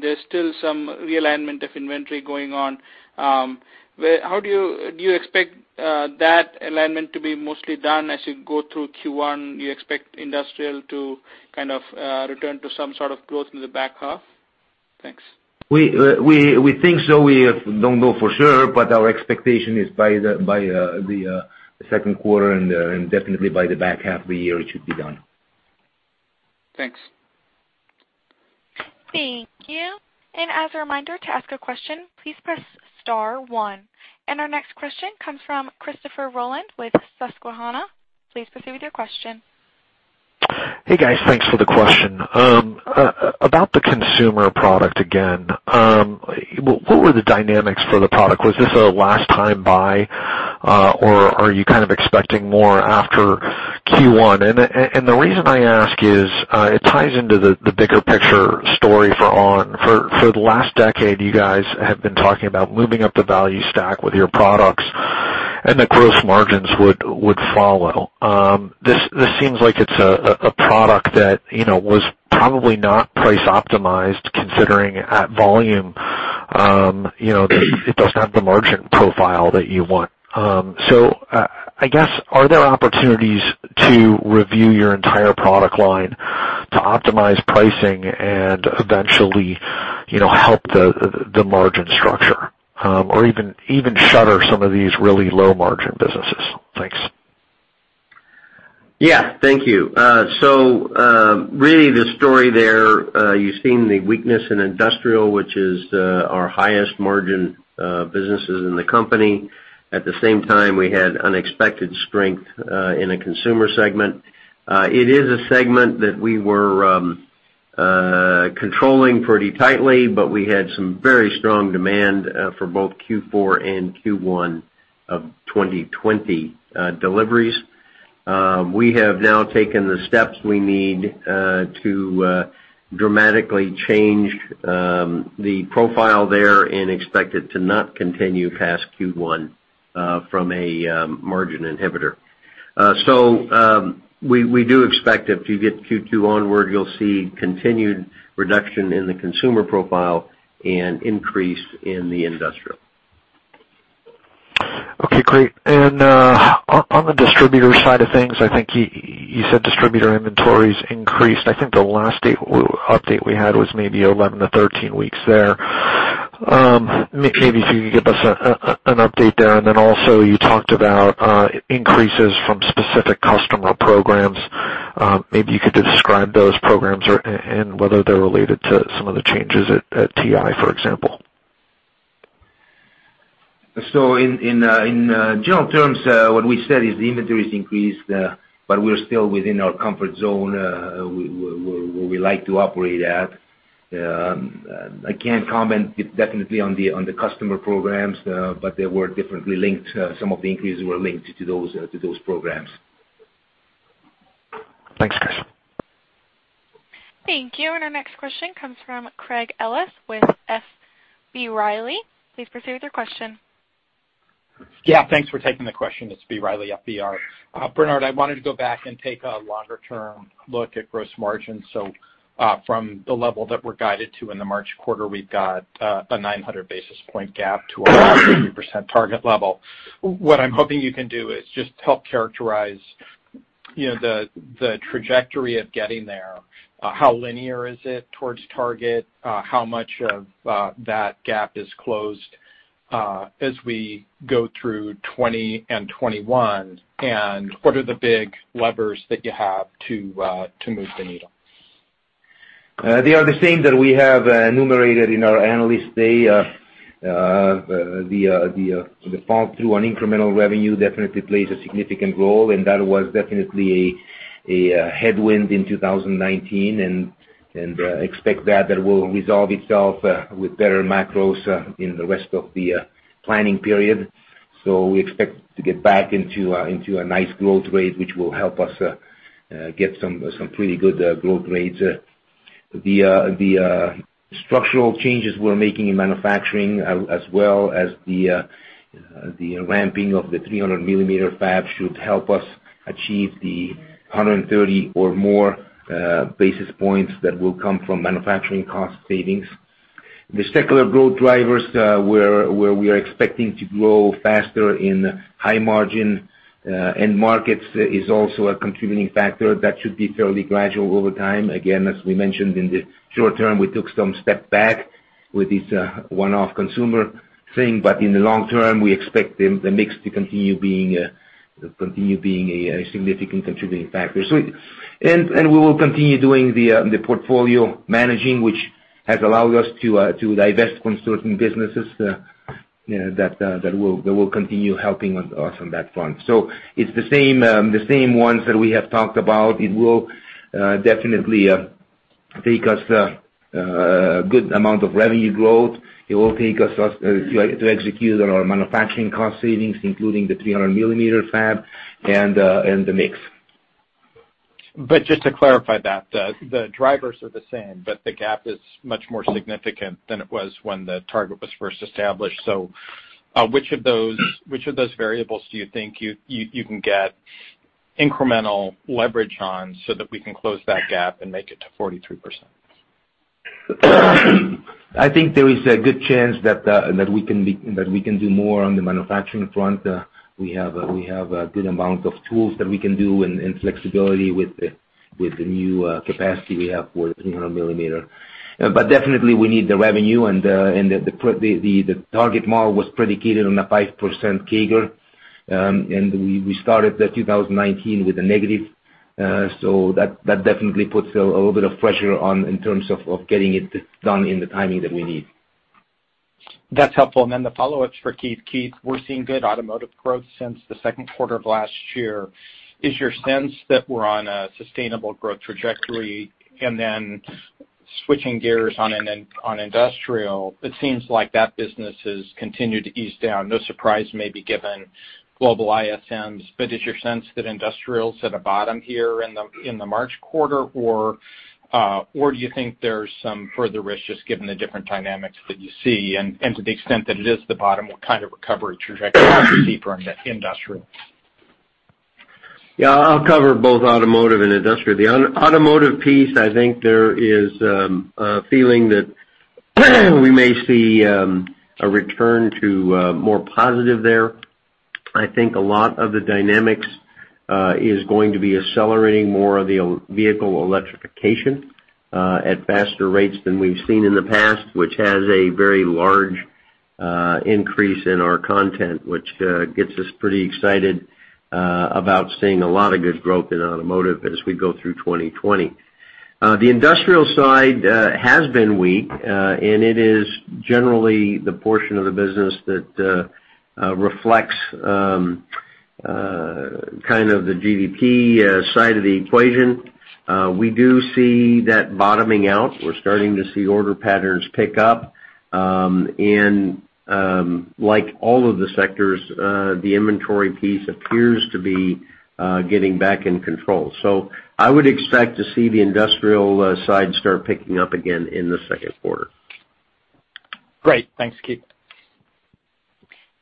[SPEAKER 10] there's still some realignment of inventory going on. Do you expect that alignment to be mostly done as you go through Q1? Do you expect industrial to kind of return to some sort of growth in the back half? Thanks.
[SPEAKER 4] We think so. We don't know for sure, our expectation is by the second quarter and definitely by the back half of the year, it should be done.
[SPEAKER 10] Thanks.
[SPEAKER 1] Thank you. As a reminder, to ask a question, please press star one. Our next question comes from Christopher Rolland with Susquehanna. Please proceed with your question.
[SPEAKER 11] Hey, guys. Thanks for the question. About the consumer product again, what were the dynamics for the product? Was this a last time buy, or are you kind of expecting more after Q1? The reason I ask is, it ties into the bigger picture story for ON. For the last decade, you guys have been talking about moving up the value stack with your products, the gross margins would follow. This seems like it's a product that was probably not price optimized considering at volume it does have the margin profile that you want. I guess, are there opportunities to review your entire product line to optimize pricing and eventually help the margin structure, or even shutter some of these really low-margin businesses? Thanks.
[SPEAKER 4] Yeah. Thank you. Really the story there, you've seen the weakness in industrial, which is our highest margin businesses in the company. At the same time, we had unexpected strength in a consumer segment. It is a segment that we were controlling pretty tightly, but we had some very strong demand for both Q4 and Q1 of 2020 deliveries. We have now taken the steps we need to dramatically change the profile there and expect it to not continue past Q1 from a margin inhibitor. We do expect if you get Q2 onward, you'll see continued reduction in the consumer profile and increase in the industrial.
[SPEAKER 11] Okay, great. On the distributor side of things, I think you said distributor inventories increased. I think the last update we had was maybe 11-13 weeks there. Maybe if you could give us an update there, and then also you talked about increases from specific customer programs. Maybe you could just describe those programs and whether they're related to some of the changes at TI, for example.
[SPEAKER 3] In general terms, what we said is the inventory is increased, but we're still within our comfort zone where we like to operate at. I can't comment definitely on the customer programs, but they were differently linked. Some of the increases were linked to those programs.
[SPEAKER 11] Thanks, guys.
[SPEAKER 1] Thank you. Our next question comes from Craig Ellis with B. Riley. Please proceed with your question.
[SPEAKER 12] Yeah, thanks for taking the question. It's B. Riley FBR. Bernard, I wanted to go back and take a longer-term look at gross margins. From the level that we're guided to in the March quarter, we've got a 900 basis points gap to a 43% target level. What I'm hoping you can do is just help characterize the trajectory of getting there. How linear is it towards target? How much of that gap is closed as we go through 2020 and 2021? What are the big levers that you have to move the needle?
[SPEAKER 3] They are the same that we have enumerated in our analyst day. The fall through on incremental revenue definitely plays a significant role, and that was definitely a headwind in 2019 and expect that will resolve itself with better macros in the rest of the planning period. We expect to get back into a nice growth rate, which will help us get some pretty good growth rates. The structural changes we're making in manufacturing, as well as the ramping of the 300 mm fabs should help us achieve the 130 or more basis points that will come from manufacturing cost savings. The secular growth drivers where we are expecting to grow faster in high margin end markets is also a contributing factor that should be fairly gradual over time. Again, as we mentioned in the short term, we took some step back with this one-off consumer thing, but in the long term, we expect the mix to continue being a significant contributing factor. We will continue doing the portfolio managing, which has allowed us to divest from certain businesses that will continue helping us on that front. It's the same ones that we have talked about. It will definitely take us a good amount of revenue growth. It will take us to execute on our manufacturing cost savings, including the 300 mm fab and the mix.
[SPEAKER 12] Just to clarify that, the drivers are the same, but the gap is much more significant than it was when the target was first established. Which of those variables do you think you can get incremental leverage on so that we can close that gap and make it to 43%?
[SPEAKER 3] I think there is a good chance that we can do more on the manufacturing front. We have a good amount of tools that we can do and flexibility with the new capacity we have for 300 mm. Definitely we need the revenue and the target model was predicated on a 5% CAGR. We started the 2019 with a negative, so that definitely puts a little bit of pressure on in terms of getting it done in the timing that we need.
[SPEAKER 12] That's helpful. The follow-up's for Keith. Keith, we're seeing good automotive growth since the second quarter of last year. Is your sense that we're on a sustainable growth trajectory? Switching gears on industrial, it seems like that business has continued to ease down. No surprise maybe given global ISMs, is your sense that industrial's at a bottom here in the March quarter, or do you think there's some further risk just given the different dynamics that you see? To the extent that it is the bottom, what kind of recovery trajectory are we seeing from industrial?
[SPEAKER 4] Yeah, I'll cover both automotive and industrial. The automotive piece, I think there is a feeling that we may see a return to more positive there. I think a lot of the dynamics is going to be accelerating more of the vehicle electrification at faster rates than we've seen in the past, which has a very large increase in our content, which gets us pretty excited about seeing a lot of good growth in automotive as we go through 2020. The industrial side has been weak, and it is generally the portion of the business that reflects kind of the GDP side of the equation. We do see that bottoming out. We're starting to see order patterns pick up. Like all of the sectors, the inventory piece appears to be getting back in control. I would expect to see the industrial side start picking up again in the second quarter.
[SPEAKER 12] Great. Thanks, Keith.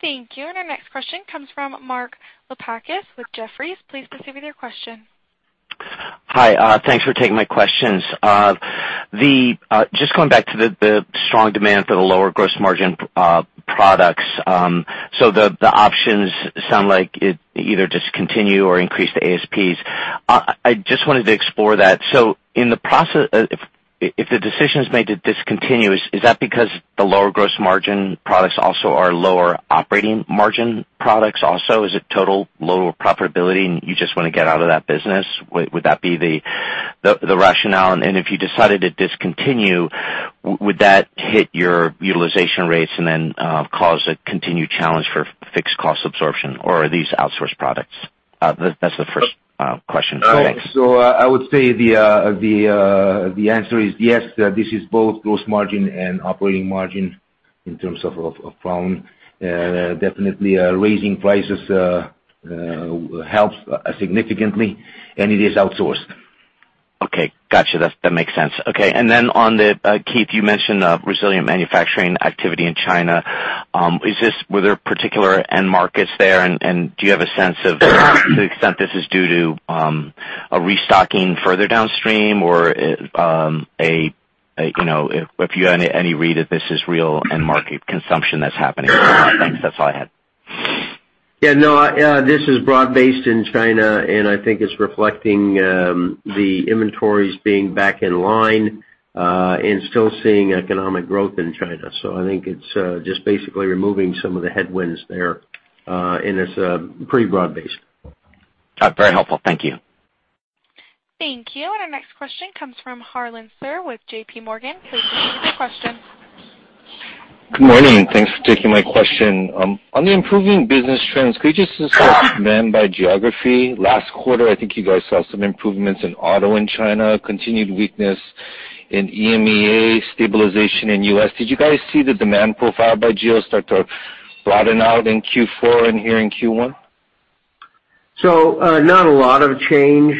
[SPEAKER 1] Thank you. Our next question comes from Mark Lipacis with Jefferies. Please proceed with your question.
[SPEAKER 13] Hi. Thanks for taking my questions. Just going back to the strong demand for the lower gross margin products. The options sound like it either discontinue or increase the ASPs. I just wanted to explore that. If the decision is made to discontinue, is that because the lower gross margin products also are lower operating margin products also? Is it total lower profitability and you just want to get out of that business? Would that be the rationale? If you decided to discontinue, would that hit your utilization rates and then cause a continued challenge for fixed cost absorption, or are these outsourced products? That's the first question. Thanks.
[SPEAKER 3] I would say the answer is yes, this is both gross margin and operating margin in terms of phone. Definitely, raising prices helps significantly, and it is outsourced.
[SPEAKER 13] Okay. Got you. That makes sense. Okay. Keith, you mentioned resilient manufacturing activity in China. Were there particular end markets there? Do you have a sense of the extent this is due to a restocking further downstream or if you have any read if this is real end market consumption that's happening? Thanks. That's all I had.
[SPEAKER 4] Yeah. No, this is broad-based in China, and I think it's reflecting the inventories being back in line, and still seeing economic growth in China. I think it's just basically removing some of the headwinds there, and it's pretty broad-based.
[SPEAKER 13] Very helpful. Thank you.
[SPEAKER 1] Thank you. Our next question comes from Harlan Sur with JPMorgan. Please proceed with your question.
[SPEAKER 14] Good morning. Thanks for taking my question. On the improving business trends, could you just discuss demand by geography? Last quarter, I think you guys saw some improvements in auto in China, continued weakness in EMEA, stabilization in U.S. Did you guys see the demand profile by geo start to flatten out in Q4 and here in Q1?
[SPEAKER 4] Not a lot of change.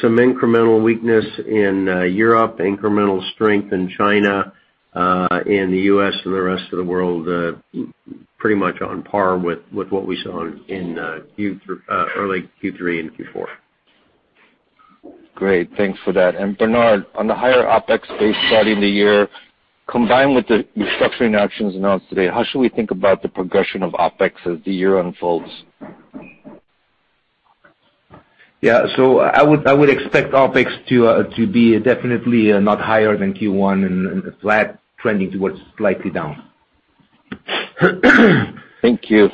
[SPEAKER 4] Some incremental weakness in Europe, incremental strength in China, and the U.S. and the rest of the world pretty much on par with what we saw in early Q3 and Q4.
[SPEAKER 14] Great. Thanks for that. Bernard, on the higher OpEx base starting the year, combined with the restructuring actions announced today, how should we think about the progression of OpEx as the year unfolds?
[SPEAKER 3] Yeah. I would expect OpEx to be definitely not higher than Q1 and flat trending towards slightly down.
[SPEAKER 14] Thank you.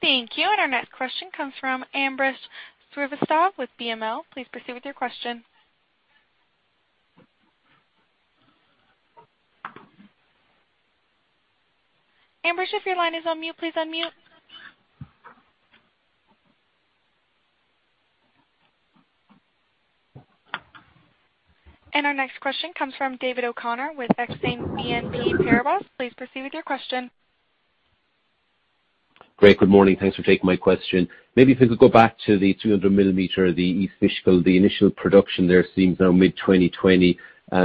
[SPEAKER 1] Thank you. Our next question comes from Ambrish Srivastava with BMO. Please proceed with your question. Ambrish, if your line is on mute, please unmute. Our next question comes from David O'Connor with Exane BNP Paribas. Please proceed with your question.
[SPEAKER 15] Great. Good morning. Thanks for taking my question. Maybe if we could go back to the 300 mm, the East Fishkill, the initial production there seems now mid-2020,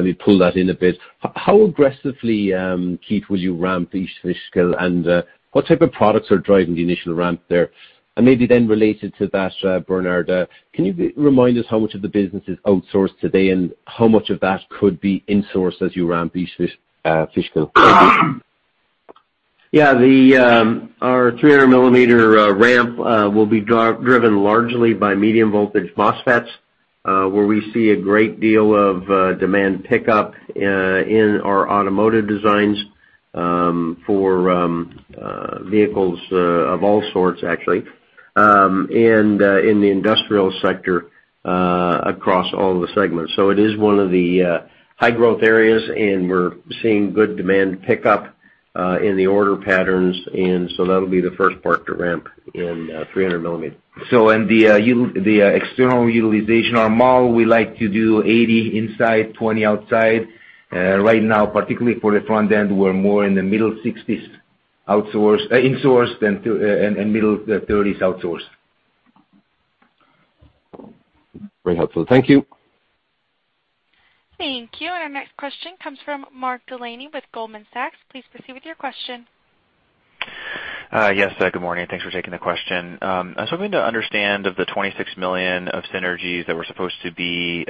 [SPEAKER 15] we pulled that in a bit. How aggressively, Keith, will you ramp East Fishkill, and what type of products are driving the initial ramp there? Maybe then related to that, Bernard, can you remind us how much of the business is outsourced today and how much of that could be insourced as you ramp East Fishkill?
[SPEAKER 4] Yeah. Our 300 mm ramp will be driven largely by medium-voltage MOSFETs where we see a great deal of demand pickup in our automotive designs for vehicles of all sorts actually, and in the industrial sector across all the segments. It is one of the high-growth areas, and we're seeing good demand pickup in the order patterns, and so that'll be the first part to ramp in 300 mm.
[SPEAKER 3] The external utilization, our model, we like to do 80 inside, 20 outside. Right now, particularly for the front end, we're more in the middle 60s insourced and middle 30s outsourced.
[SPEAKER 15] Very helpful. Thank you.
[SPEAKER 1] Thank you. Our next question comes from Mark Delaney with Goldman Sachs. Please proceed with your question.
[SPEAKER 16] Yes. Good morning. Thanks for taking the question. I was hoping to understand of the $26 million of synergies that were supposed to be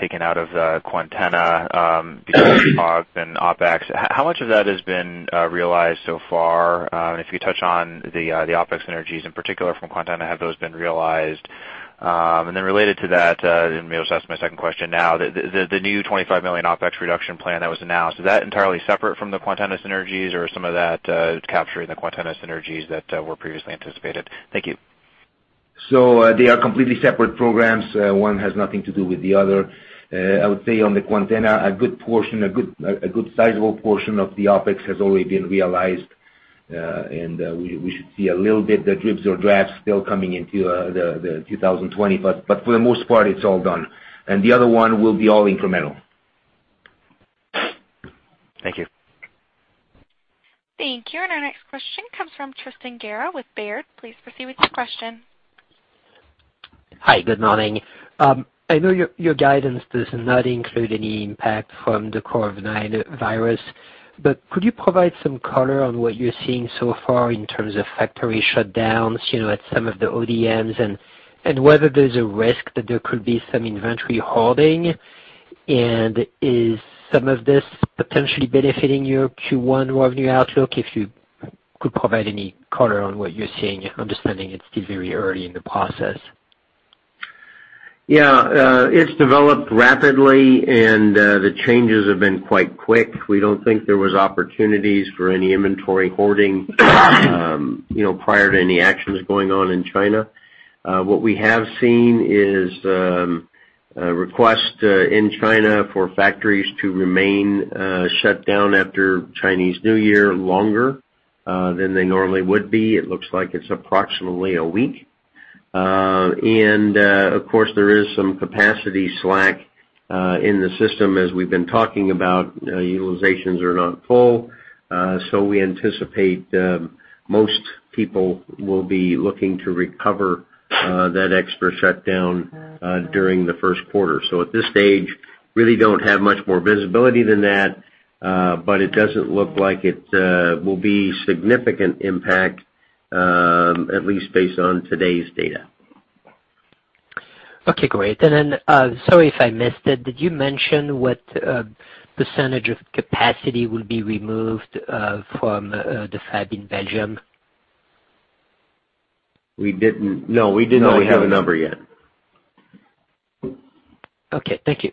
[SPEAKER 16] taken out of Quantenna before OpEx and OpEx, how much of that has been realized so far? If you touch on the OpEx synergies in particular from Quantenna, have those been realized? Then related to that, and maybe I'll just ask my second question now, the new $25 million OpEx reduction plan that was announced, is that entirely separate from the Quantenna synergies or some of that capturing the Quantenna synergies that were previously anticipated? Thank you.
[SPEAKER 3] They are completely separate programs. One has nothing to do with the other. I would say on the Quantenna, a good sizable portion of the OpEx has already been realized, and we should see a little bit, the dribs or drabs still coming into the 2020, but for the most part, it's all done. The other one will be all incremental.
[SPEAKER 16] Thank you.
[SPEAKER 1] Thank you. Our next question comes from Tristan Gerra with Baird. Please proceed with your question.
[SPEAKER 17] Hi. Good morning. I know your guidance does not include any impact from the COVID-19 virus, but could you provide some color on what you're seeing so far in terms of factory shutdowns at some of the ODMs and whether there's a risk that there could be some inventory hoarding? Is some of this potentially benefiting your Q1 revenue outlook? Understanding it's still very early in the process.
[SPEAKER 4] Yeah. It's developed rapidly, and the changes have been quite quick. We don't think there was opportunities for any inventory hoarding, prior to any actions going on in China. What we have seen is a request in China for factories to remain shut down after Chinese New Year, longer than they normally would be. It looks like it's approximately a week. Of course, there is some capacity slack in the system, as we've been talking about. Utilizations are not full, so we anticipate most people will be looking to recover that extra shutdown during the first quarter. At this stage, really don't have much more visibility than that. It doesn't look like it will be significant impact, at least based on today's data.
[SPEAKER 17] Okay, great. Sorry if I missed it. Did you mention what percentage of capacity will be removed from the fab in Belgium?
[SPEAKER 4] We didn't. No, we do not have a number yet.
[SPEAKER 17] Okay, thank you.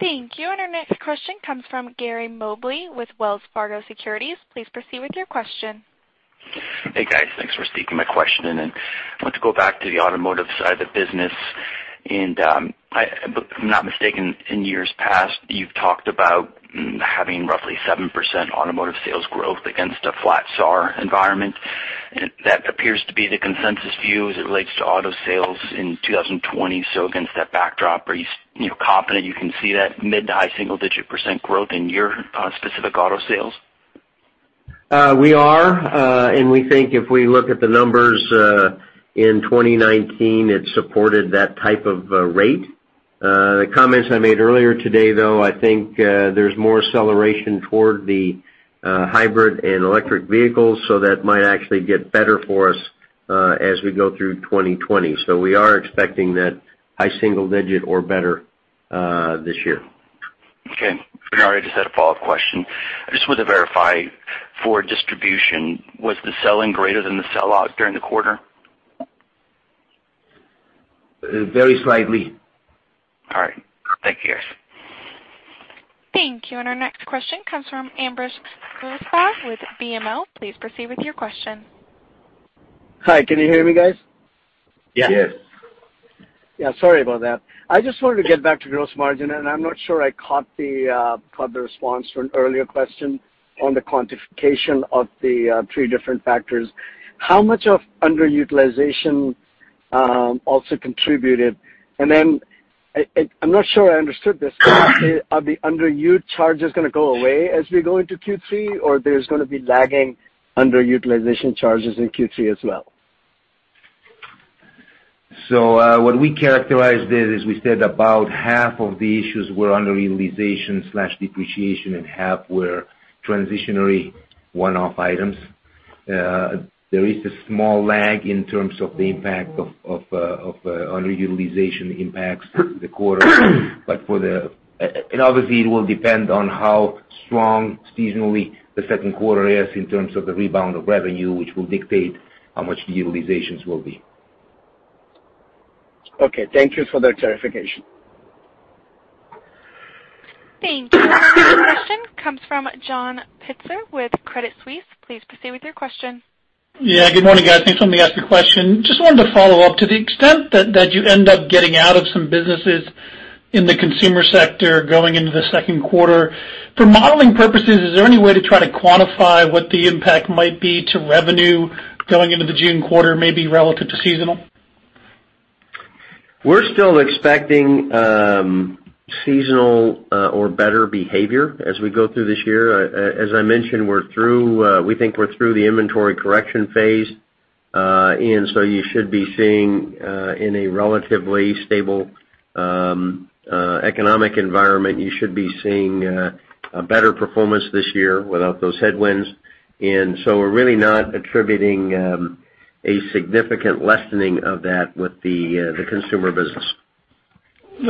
[SPEAKER 1] Thank you. Our next question comes from Gary Mobley with Wells Fargo Securities. Please proceed with your question.
[SPEAKER 18] Hey, guys. Thanks for sneaking my question in. I want to go back to the automotive side of the business. If I'm not mistaken, in years past, you've talked about having roughly 7% automotive sales growth against a flat SAAR environment. That appears to be the consensus view as it relates to auto sales in 2020. Against that backdrop, are you confident you can see that mid to high single-digit percent growth in your specific auto sales?
[SPEAKER 4] We are, and we think if we look at the numbers in 2019, it supported that type of rate. The comments I made earlier today, though, I think there's more acceleration toward the hybrid and electric vehicles, so that might actually get better for us as we go through 2020. We are expecting that high single digit or better this year.
[SPEAKER 18] Okay. Bernard, I just had a follow-up question. I just wanted to verify, for distribution, was the sell-in greater than the sell-out during the quarter?
[SPEAKER 3] Very slightly.
[SPEAKER 18] All right. Thank you.
[SPEAKER 1] Thank you. Our next question comes from Ambrish Srivastava with BMO. Please proceed with your question.
[SPEAKER 19] Hi. Can you hear me guys?
[SPEAKER 4] Yes.
[SPEAKER 3] Yes.
[SPEAKER 19] Yeah, sorry about that. I just wanted to get back to gross margin, and I'm not sure I caught the response to an earlier question on the quantification of the three different factors. How much of underutilization also contributed? I'm not sure I understood this. Are the underutilization charges going to go away as we go into Q3, or there's going to be lagging underutilization charges in Q3 as well?
[SPEAKER 3] What we characterized it is we said about half of the issues were underutilization/depreciation, and half were transitionary one-off items. There is a small lag in terms of the impact of underutilization impacts the quarter. Obviously, it will depend on how strong seasonally the second quarter is in terms of the rebound of revenue, which will dictate how much the utilizations will be.
[SPEAKER 19] Okay. Thank you for that clarification.
[SPEAKER 1] Thank you. The next question comes from John Pitzer with Credit Suisse. Please proceed with your question.
[SPEAKER 20] Yeah, good morning, guys. Thanks for letting me ask a question. Just wanted to follow up. To the extent that you end up getting out of some businesses in the consumer sector going into the second quarter, for modeling purposes, is there any way to try to quantify what the impact might be to revenue going into the June quarter, maybe relative to seasonal?
[SPEAKER 4] We're still expecting seasonal or better behavior as we go through this year. As I mentioned, we think we're through the inventory correction phase. You should be seeing, in a relatively stable economic environment, you should be seeing a better performance this year without those headwinds. We're really not attributing a significant lessening of that with the consumer business.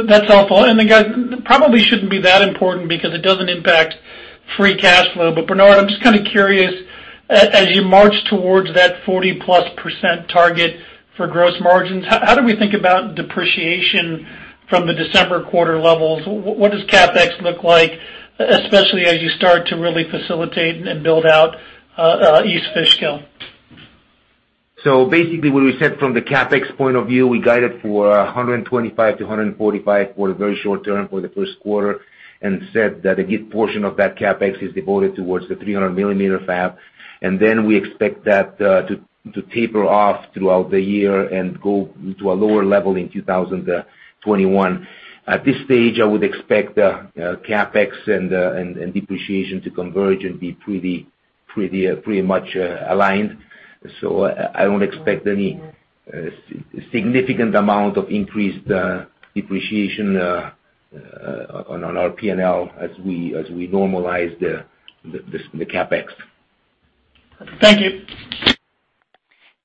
[SPEAKER 20] That's helpful. Then, guys, probably shouldn't be that important because it doesn't impact free cash flow, Bernard, I'm just kind of curious. As you march towards that +40% target for gross margins, how do we think about depreciation from the December quarter levels? What does CapEx look like, especially as you start to really facilitate and build out East Fishkill?
[SPEAKER 3] Basically, what we said from the CapEx point of view, we guided for $125-$145 for the very short term, for the first quarter, and said that a good portion of that CapEx is devoted towards the 300 mm fab. We expect that to taper off throughout the year and go to a lower level in 2021. At this stage, I would expect CapEx and depreciation to converge and be pretty much aligned. I don't expect any significant amount of increased depreciation on our P&L as we normalize the CapEx.
[SPEAKER 20] Thank you.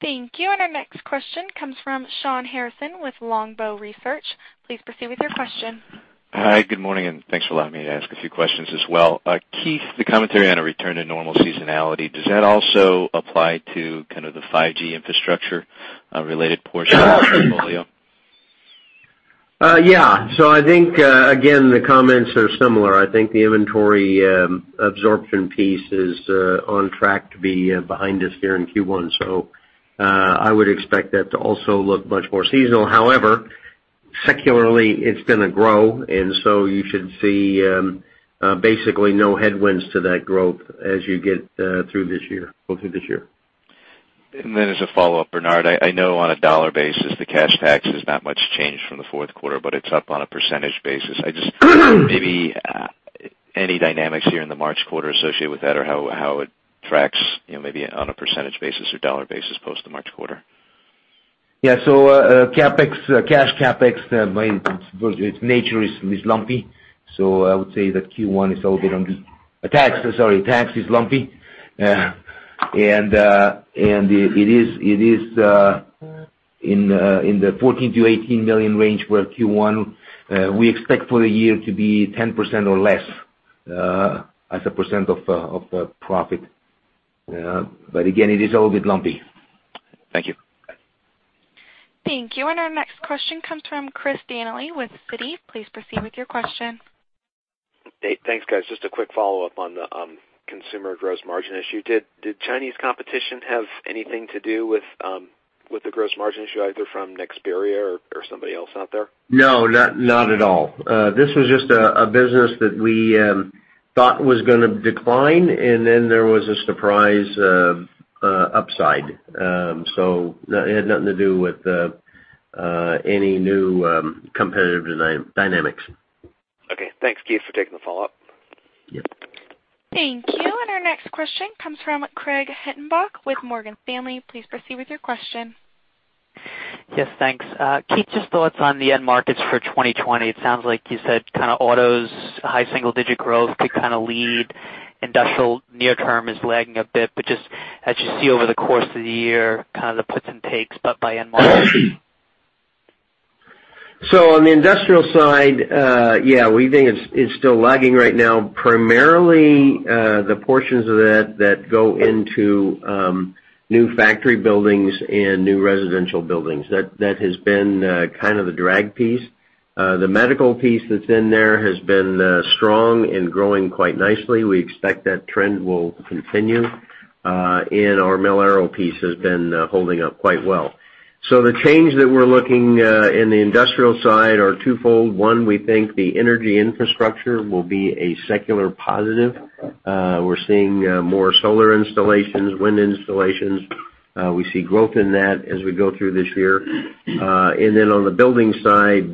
[SPEAKER 1] Thank you. Our next question comes from Shawn Harrison with Longbow Research. Please proceed with your question.
[SPEAKER 21] Hi, good morning. Thanks for allowing me to ask a few questions as well. Keith, the commentary on a return to normal seasonality, does that also apply to kind of the 5G infrastructure related portion of the portfolio?
[SPEAKER 4] Yeah. I think, again, the comments are similar. I think the inventory absorption piece is on track to be behind us here in Q1. I would expect that to also look much more seasonal. However, secularly, it's going to grow, and so you should see basically no headwinds to that growth as you get through this year.
[SPEAKER 21] As a follow-up, Bernard, I know on a dollar basis, the cash tax has not much changed from the fourth quarter, but it's up on a percentage basis. Just maybe any dynamics here in the March quarter associated with that or how it tracks, maybe on a percentage basis or dollar basis post the March quarter.
[SPEAKER 3] Yeah. Cash CapEx, its nature is lumpy. I would say that tax is lumpy. It is in the $14 million-$18 million range for Q1. We expect for the year to be 10% or less as a percent of profit. Again, it is a little bit lumpy.
[SPEAKER 21] Thank you.
[SPEAKER 1] Thank you. Our next question comes from Chris Danely with Citi. Please proceed with your question.
[SPEAKER 6] Thanks, guys. Just a quick follow-up on the consumer gross margin issue. Did Chinese competition have anything to do with the gross margin issue, either from Nexperia or somebody else out there?
[SPEAKER 4] No, not at all. This was just a business that we thought was going to decline, and then there was a surprise upside. It had nothing to do with any new competitive dynamics.
[SPEAKER 6] Okay. Thanks, Keith, for taking the follow-up.
[SPEAKER 4] Yep.
[SPEAKER 1] Thank you. Our next question comes from Craig Hettenbach with Morgan Stanley. Please proceed with your question.
[SPEAKER 22] Yes, thanks. Keith, just thoughts on the end markets for 2020? It sounds like you said kind of autos, high single-digit growth could kind of lead. industrial near term is lagging a bit, but just as you see over the course of the year, kind of the puts and takes, but by end market?
[SPEAKER 4] On the industrial side, yeah, we think it's still lagging right now. Primarily, the portions of that go into new factory buildings and new residential buildings. That has been kind of the drag piece. The medical piece that's in there has been strong and growing quite nicely. We expect that trend will continue. Our mil-aero piece has been holding up quite well. The change that we're looking in the industrial side are twofold. One, we think the energy infrastructure will be a secular positive. We're seeing more solar installations, wind installations. We see growth in that as we go through this year. On the building side,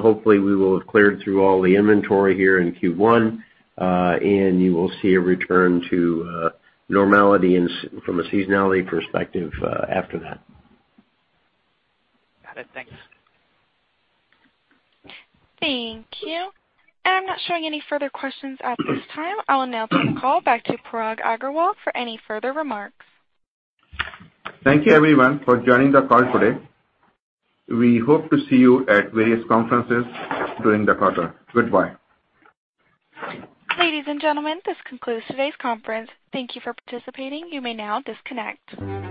[SPEAKER 4] hopefully we will have cleared through all the inventory here in Q1, and you will see a return to normality from a seasonality perspective after that.
[SPEAKER 22] Got it. Thanks.
[SPEAKER 1] Thank you. I'm not showing any further questions at this time. I will now turn the call back to Parag Agarwal for any further remarks.
[SPEAKER 2] Thank you everyone for joining the call today. We hope to see you at various conferences during the quarter. Goodbye.
[SPEAKER 1] Ladies and gentlemen, this concludes today's conference. Thank you for participating. You may now disconnect.